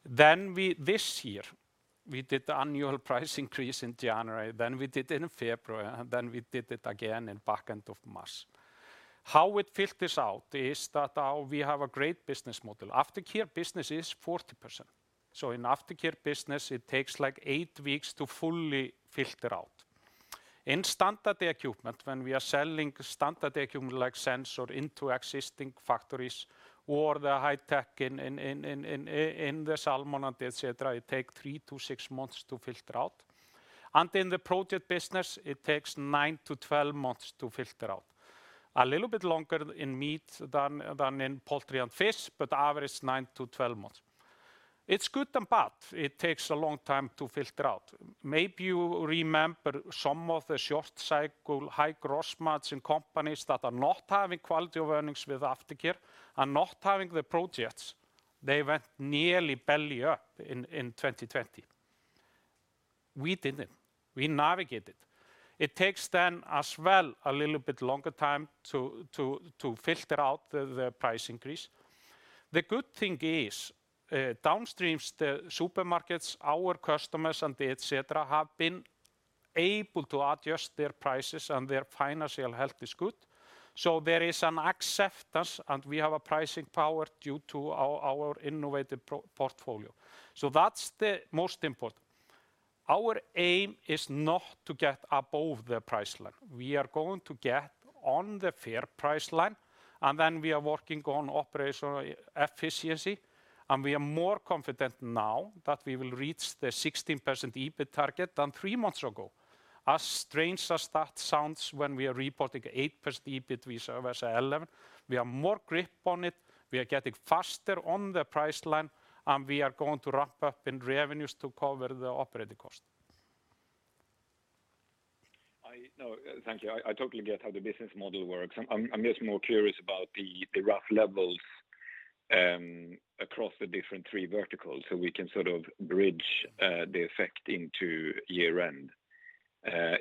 This year, we did the annual price increase in January, then we did it in February, and then we did it again in back end of March. How it filters out is that we have a great business model. Aftercare business is 40%. In aftercare business, it takes, like, eight weeks to fully filter out. In standard equipment, when we are selling standard equipment like sensor into existing factories or the high tech in the salmon and et cetera, it take three-six months to filter out. In the project business, it takes nine-12 months to filter out. A little bit longer in meat than in poultry and fish, but average nine-12 months. It's good and bad. It takes a long time to filter out. Maybe you remember some of the short cycle, high gross margin companies that are not having quality of earnings with aftercare and not having the projects. They went nearly belly up in 2020. We didn't. We navigated. It takes then as well a little bit longer time to filter out the price increase. The good thing is, downstreams, the supermarkets, our customers and the et cetera, have been able to adjust their prices, and their financial health is good. There is an acceptance, and we have a pricing power due to our innovative product portfolio. That's the most important. Our aim is not to get above the price line. We are going to get on the fair price line, and then we are working on operational efficiency. We are more confident now that we will reach the 16% EBIT target than three months ago. As strange as that sounds when we are reporting 8% EBIT, we are at 11%, we have more grip on it, we are getting faster on the price line, and we are going to ramp up in revenues to cover the operating cost. No, thank you. I totally get how the business model works. I'm just more curious about the rough levels across the different three verticals, so we can sort of bridge the effect into year-end.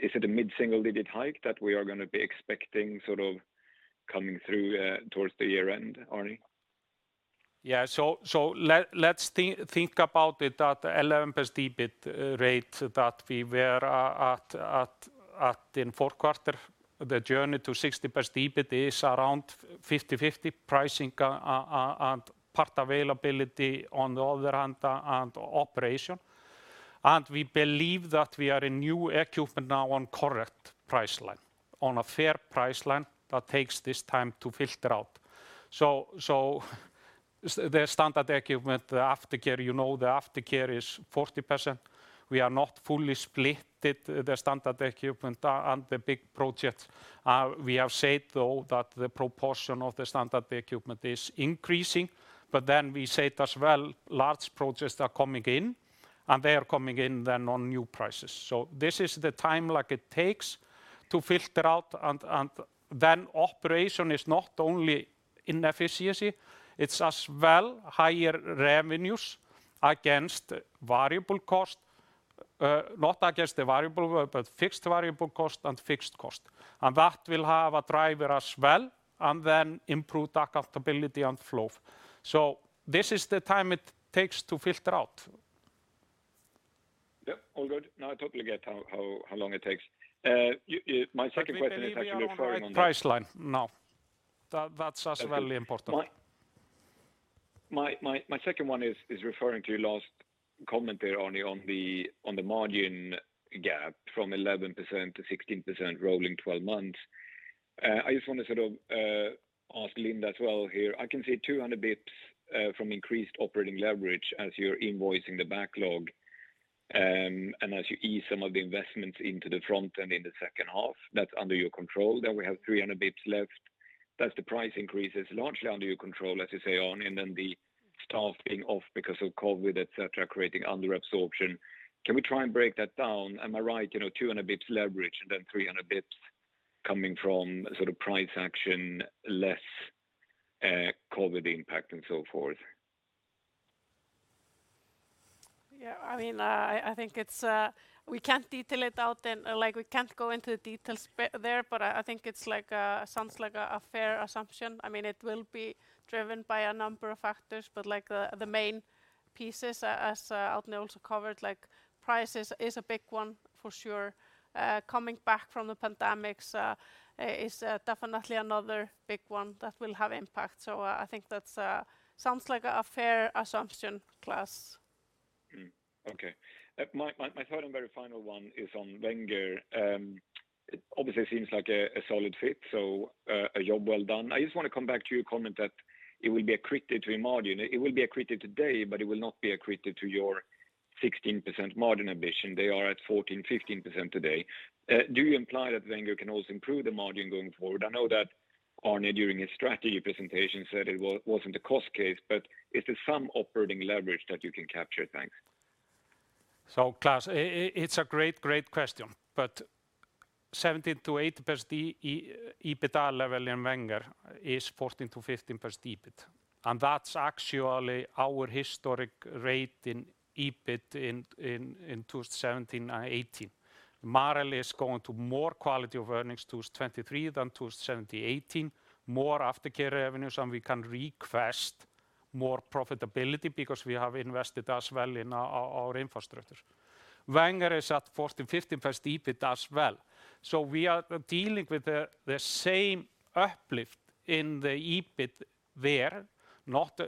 Is it a mid-single-digit hike that we are gonna be expecting sort of coming through towards the year-end, Árni? Let's think about it at 11% EBIT rate that we were at in Q4. The journey to 16% EBIT is around 50/50 pricing and part availability on the other hand and operation. We believe that we are now in new equipment on correct price line, on a fair price line that takes this time to filter out. The standard equipment, the aftercare, you know the aftercare is 40%. We are not fully split the standard equipment and the big projects. We have said, though, that the proportion of the standard equipment is increasing, but then we said as well, large projects are coming in, and they are coming in then on new prices. This is the time, like, it takes to filter out and then operation is not only in efficiency, it's as well higher revenues against variable cost, not against the variable, but fixed and variable costs. That will have a driver as well, and then improve accountability and flow. This is the time it takes to filter out. Yep. All good. No, I totally get how long it takes. My second question is actually referring on the- Price line now. That's as well important. My second one is referring to your last comment there, Árni, on the margin gap from 11% to 16% rolling twelve months. I just want to sort of ask Linda as well here. I can see 200 basis points from increased operating leverage as you're invoicing the backlog, and as you ease some of the investments into the front and in the H2. That's under your control. Then we have 300 basis points left. That's the price increases largely under your control, as you say, Árni, and then the staff being off because of COVID, et cetera, creating under-absorption. Can we try and break that down? Am I right, you know, 200 basis points leverage and then 300 basis points coming from sort of price action, less COVID impact and so forth? Yeah, I mean, I think it's. We can't detail it out and, like, we can't go into the details but, I think it sounds like a fair assumption. I mean, it will be driven by a number of factors, but like the main pieces, as Árni also covered, like price is a big one for sure. Coming back from the pandemic is definitely another big one that will have impact. I think that sounds like a fair assumption, Klas. Okay. My third and very final one is on Wenger. It obviously seems like a solid fit, so a job well done. I just wanna come back to your comment that it will be accretive to your margin. It will be accretive today, but it will not be accretive to your 16% margin ambition. They are at 14%-15% today. Do you imply that Wenger can also improve the margin going forward? I know that Árni, during his strategy presentation, said it wasn't a cost case, but is there some operating leverage that you can capture? Thanks. Klas, it's a great question, but 17%-8% EBITDA level in Wenger is 14%-15% EBIT, and that's actually our historic rate in EBIT in 2017 and 2018. Marel is going to more quality of earnings 2023 than 2017,2018, more aftercare revenues, and we can request more profitability because we have invested as well in our infrastructure. Wenger is at 14-15% EBIT as well. We are dealing with the same uplift in the EBIT there, not.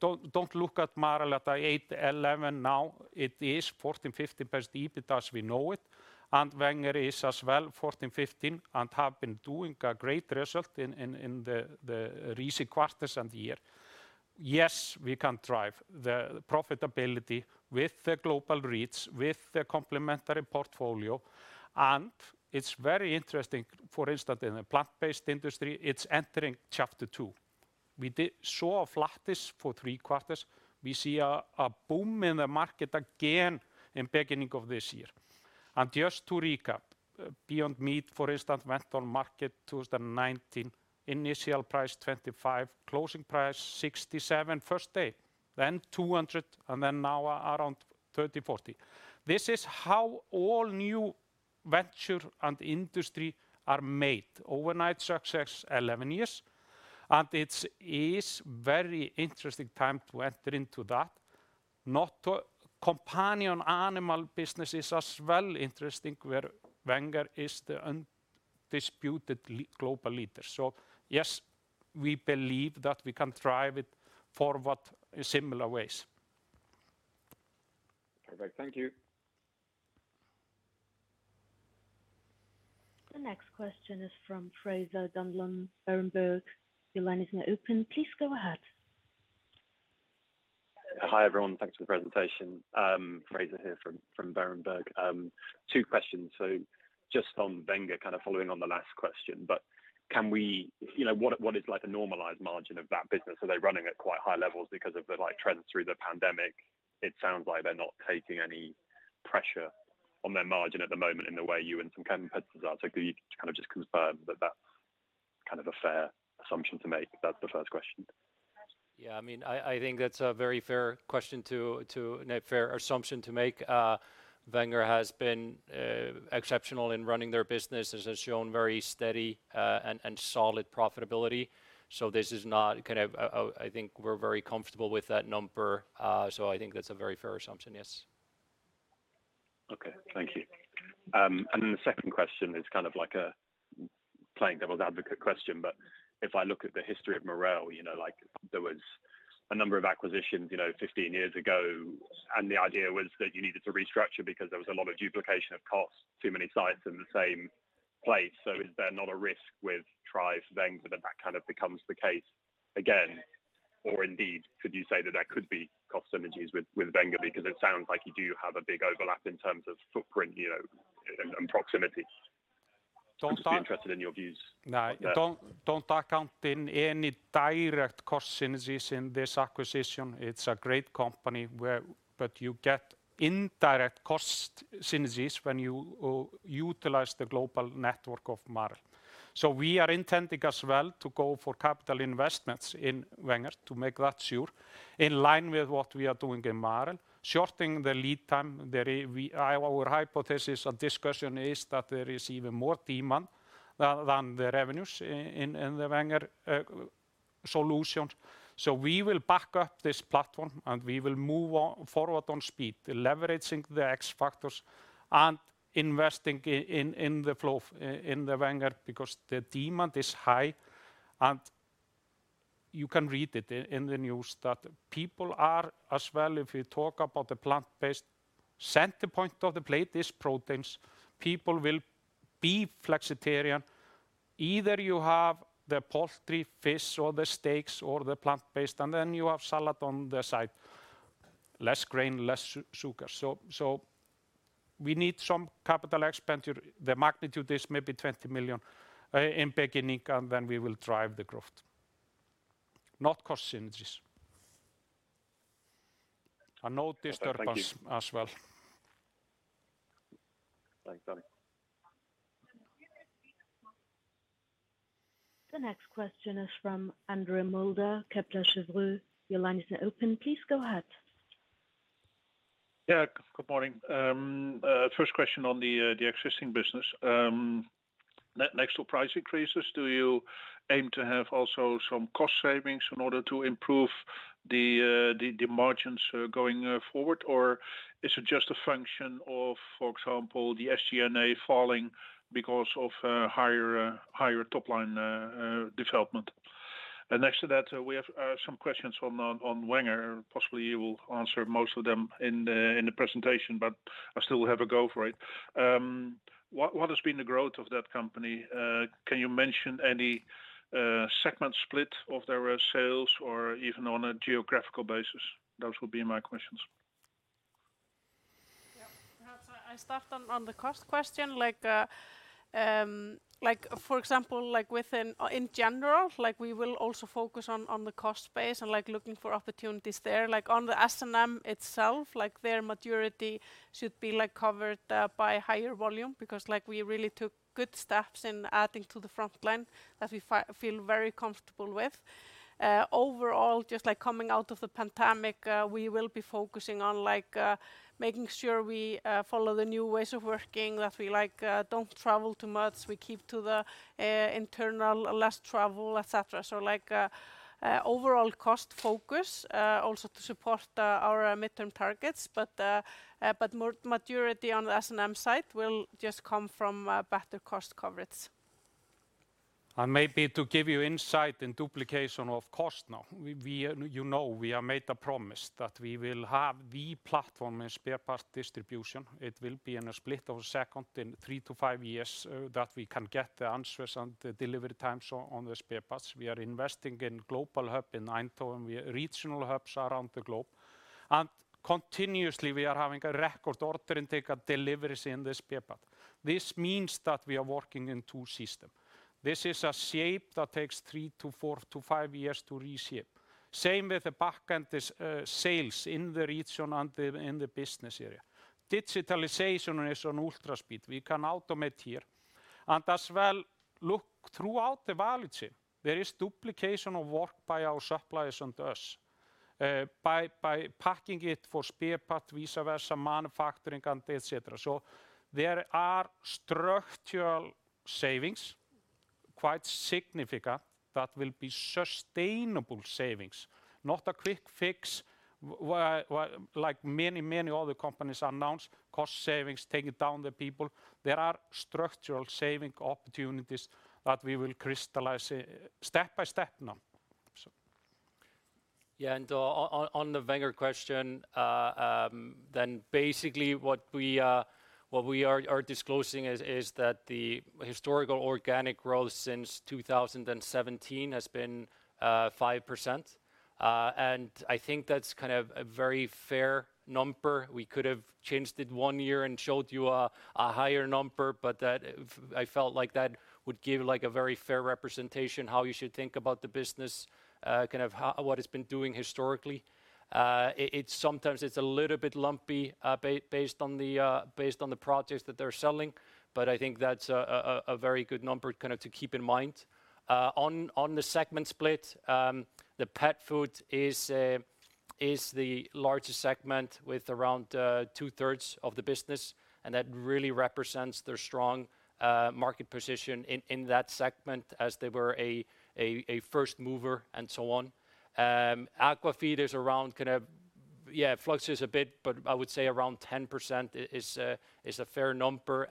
Don't look at Marel at eight-11 now. It is 14-15% EBIT as we know it, and Wenger is as well 14-15%, and have been doing a great result in the recent quarters and year. Yes, we can drive the profitability with the global reach, with the complementary portfolio, and it's very interesting. For instance, in the plant-based industry, it's entering chapter two. We did saw a flatness for three quarters. We see a boom in the market again in beginning of this year. Just to recap, Beyond Meat, for instance, went on market 2019, initial price $25, closing price $67 first day, then $200, and then now around 30-40. This is how all new venture and industry are made, overnight success, 11 years, and it's very interesting time to enter into that. Not to Companion animal business is as well interesting, where Wenger is the undisputed global leader. Yes, we believe that we can drive it forward in similar ways. Perfect. Thank you. The next question is from Fraser Donlon, Berenberg. Your line is now open. Please go ahead. Hi, everyone. Thanks for the presentation. Fraser here from Berenberg. Two questions. Just on Wenger, kind of following on the last question, but you know, what is like the normalized margin of that business? Are they running at quite high levels because of the, like, trends through the pandemic? It sounds like they're not taking any pressure on their margin at the moment in the way you and some competitors are. Could you kind of just confirm that that's kind of a fair assumption to make? That's the first question. Yeah, I mean, I think that's a very fair question. A fair assumption to make. Wenger has been exceptional in running their business. This has shown very steady and solid profitability. This is not. I think we're very comfortable with that number, so I think that's a very fair assumption, yes. Okay. Thank you. And then the second question is kind of like a playing devil's advocate question, but if I look at the history of Marel, you know, like there was a number of acquisitions, you know, 15 years ago, and the idea was that you needed to restructure because there was a lot of duplication of costs, too many sites in the same place. Is there not a risk with the Wenger that that kind of becomes the case again? Or indeed, could you say that there could be cost synergies with Wenger? Because it sounds like you do have a big overlap in terms of footprint, you know, and proximity. Don't talk. Just be interested in your views on that. No, don't account for any direct cost synergies in this acquisition. It's a great company. You get indirect cost synergies when you utilize the global network of Marel. We are intending as well to go for capital investments in Wenger to make that sure, in line with what we are doing in Marel. Shortening the lead time, our hypothesis and discussion is that there is even more demand than the revenues in the Wenger solutions. We will back up this platform, and we will move forward on speed, leveraging the X factors and investing in full force in the Wenger, because the demand is high. You can read it in the news that people are as well, if we talk about the plant-based, center point of the plate is proteins. People will be flexitarian. Either you have the poultry, fish or the steaks or the plant-based, and then you have salad on the side. Less grain, less sugar. We need some capital expenditure. The magnitude is maybe 20 million in the beginning, and then we will drive the growth. Not cost synergies. No disturbance. Okay. Thank you. as well. Thanks, Árni. The next question is from Andre Mulder, Kepler Cheuvreux. Your line is now open. Please go ahead. Yeah. Good morning. First question on the existing business. Next to price increases, do you aim to have also some cost savings in order to improve the margins going forward? Or is it just a function of, for example, the SG&A falling because of higher top line development? Next to that, we have some questions on Wenger. Possibly you will answer most of them in the presentation, but I still have a go for it. What has been the growth of that company? Can you mention any segment split of their sales or even on a geographical basis? Those will be my questions. Yeah. Perhaps I start on the cost question. Like, for example, like in general, like we will also focus on the cost base and like looking for opportunities there. Like, on the S&M itself, like their maturity should be like covered by higher volume because, like, we really took good steps in adding to the front line that we feel very comfortable with. Overall, just like coming out of the pandemic, we will be focusing on, like, making sure we follow the new ways of working, that we, like, don't travel too much. We keep to the internal, less travel, et cetera. Like, overall cost focus also to support our midterm targets. More maturity on the S&M side will just come from better cost coverage. Maybe to give you insight in duplication of cost now. We, you know, we have made a promise that we will have the platform and spare part distribution. It will be in a split second in three-five years that we can get the answers and the delivery times on the spare parts. We are investing in global hub in Eindhoven, we have regional hubs around the globe. Continuously, we are having a record order intake and deliveries in the spare part. This means that we are working in two system. This is a shape that takes three-five years to reshape. Same with the back end, sales in the region and in the business area. Digitalization is on ultra-speed. We can automate here. As well, look throughout the value chain, there is duplication of work by our suppliers and us, by packing it for spare part, vice versa, manufacturing and et cetera. There are structural savings, quite significant, that will be sustainable savings, not a quick fix where, like many other companies announce cost savings, taking down the people. There are structural saving opportunities that we will crystallize step by step now. Yeah. On the Wenger question, then basically what we are disclosing is that the historical organic growth since 2017 has been 5%. I think that's kind of a very fair number. We could have changed it one year and showed you a higher number, but I felt like that would give like a very fair representation, how you should think about the business, kind of what it's been doing historically. It's sometimes a little bit lumpy, based on the projects that they're selling, but I think that's a very good number kind of to keep in mind. On the segment split, the pet food is the largest segment with around two-thirds of the business, and that really represents their strong market position in that segment as they were a first mover and so on. Aqua feed is around 10%. It fluctuates a bit, but I would say around 10% is a fair number.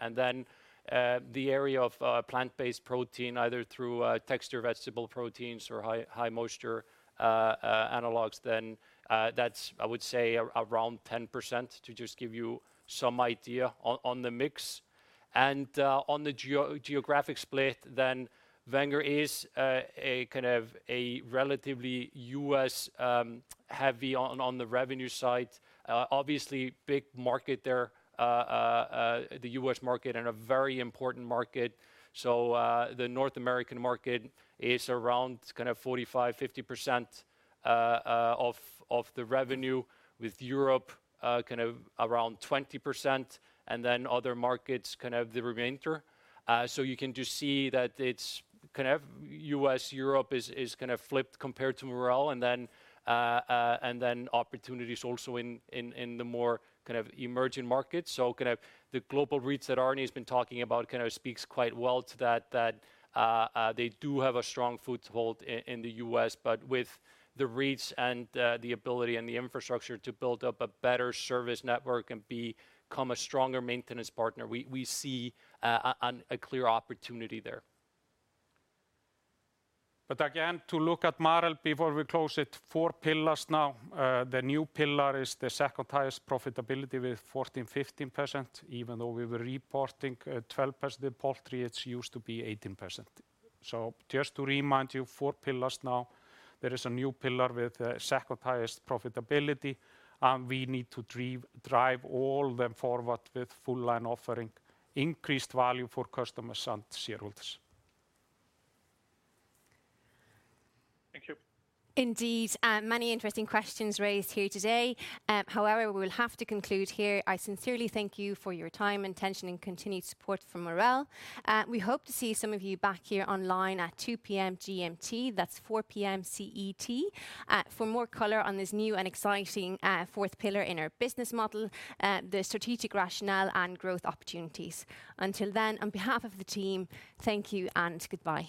The area of plant-based protein, either through textured vegetable proteins or high moisture analogs, that's I would say around 10% to just give you some idea on the mix. On the geographic split, Wenger is a kind of relatively U.S. heavy on the revenue side. Obviously big market there, the U.S. market and a very important market. The North American market is around kind of 45-50% of the revenue with Europe kind of around 20%, and then other markets kind of the remainder. You can just see that it's kind of U.S..,. Europe is kind of flipped compared to Marel and then opportunities also in the more kind of emerging markets. Kind of the global reach that Árni's been talking about kind of speaks quite well to that, they do have a strong foothold in the US, but with the reach and the ability and the infrastructure to build up a better service network and become a stronger maintenance partner, we see a clear opportunity there. Again, to look at Marel before we close it, four pillars now. The new pillar is the second highest profitability with 14%-15%, even though we were reporting 12% in poultry, it used to be 18%. Just to remind you, four pillars now. There is a new pillar with second highest profitability, and we need to drive all them forward with full line offering, increased value for customers and shareholders. Thank you. Indeed, many interesting questions raised here today. However, we will have to conclude here. I sincerely thank you for your time, attention, and continued support for Marel. We hope to see some of you back here online at 2:00 P.M. GMT, that's 4:00 P.M. CET, for more color on this new and exciting fourth pillar in our business model, the strategic rationale and growth opportunities. Until then, on behalf of the team, thank you and goodbye.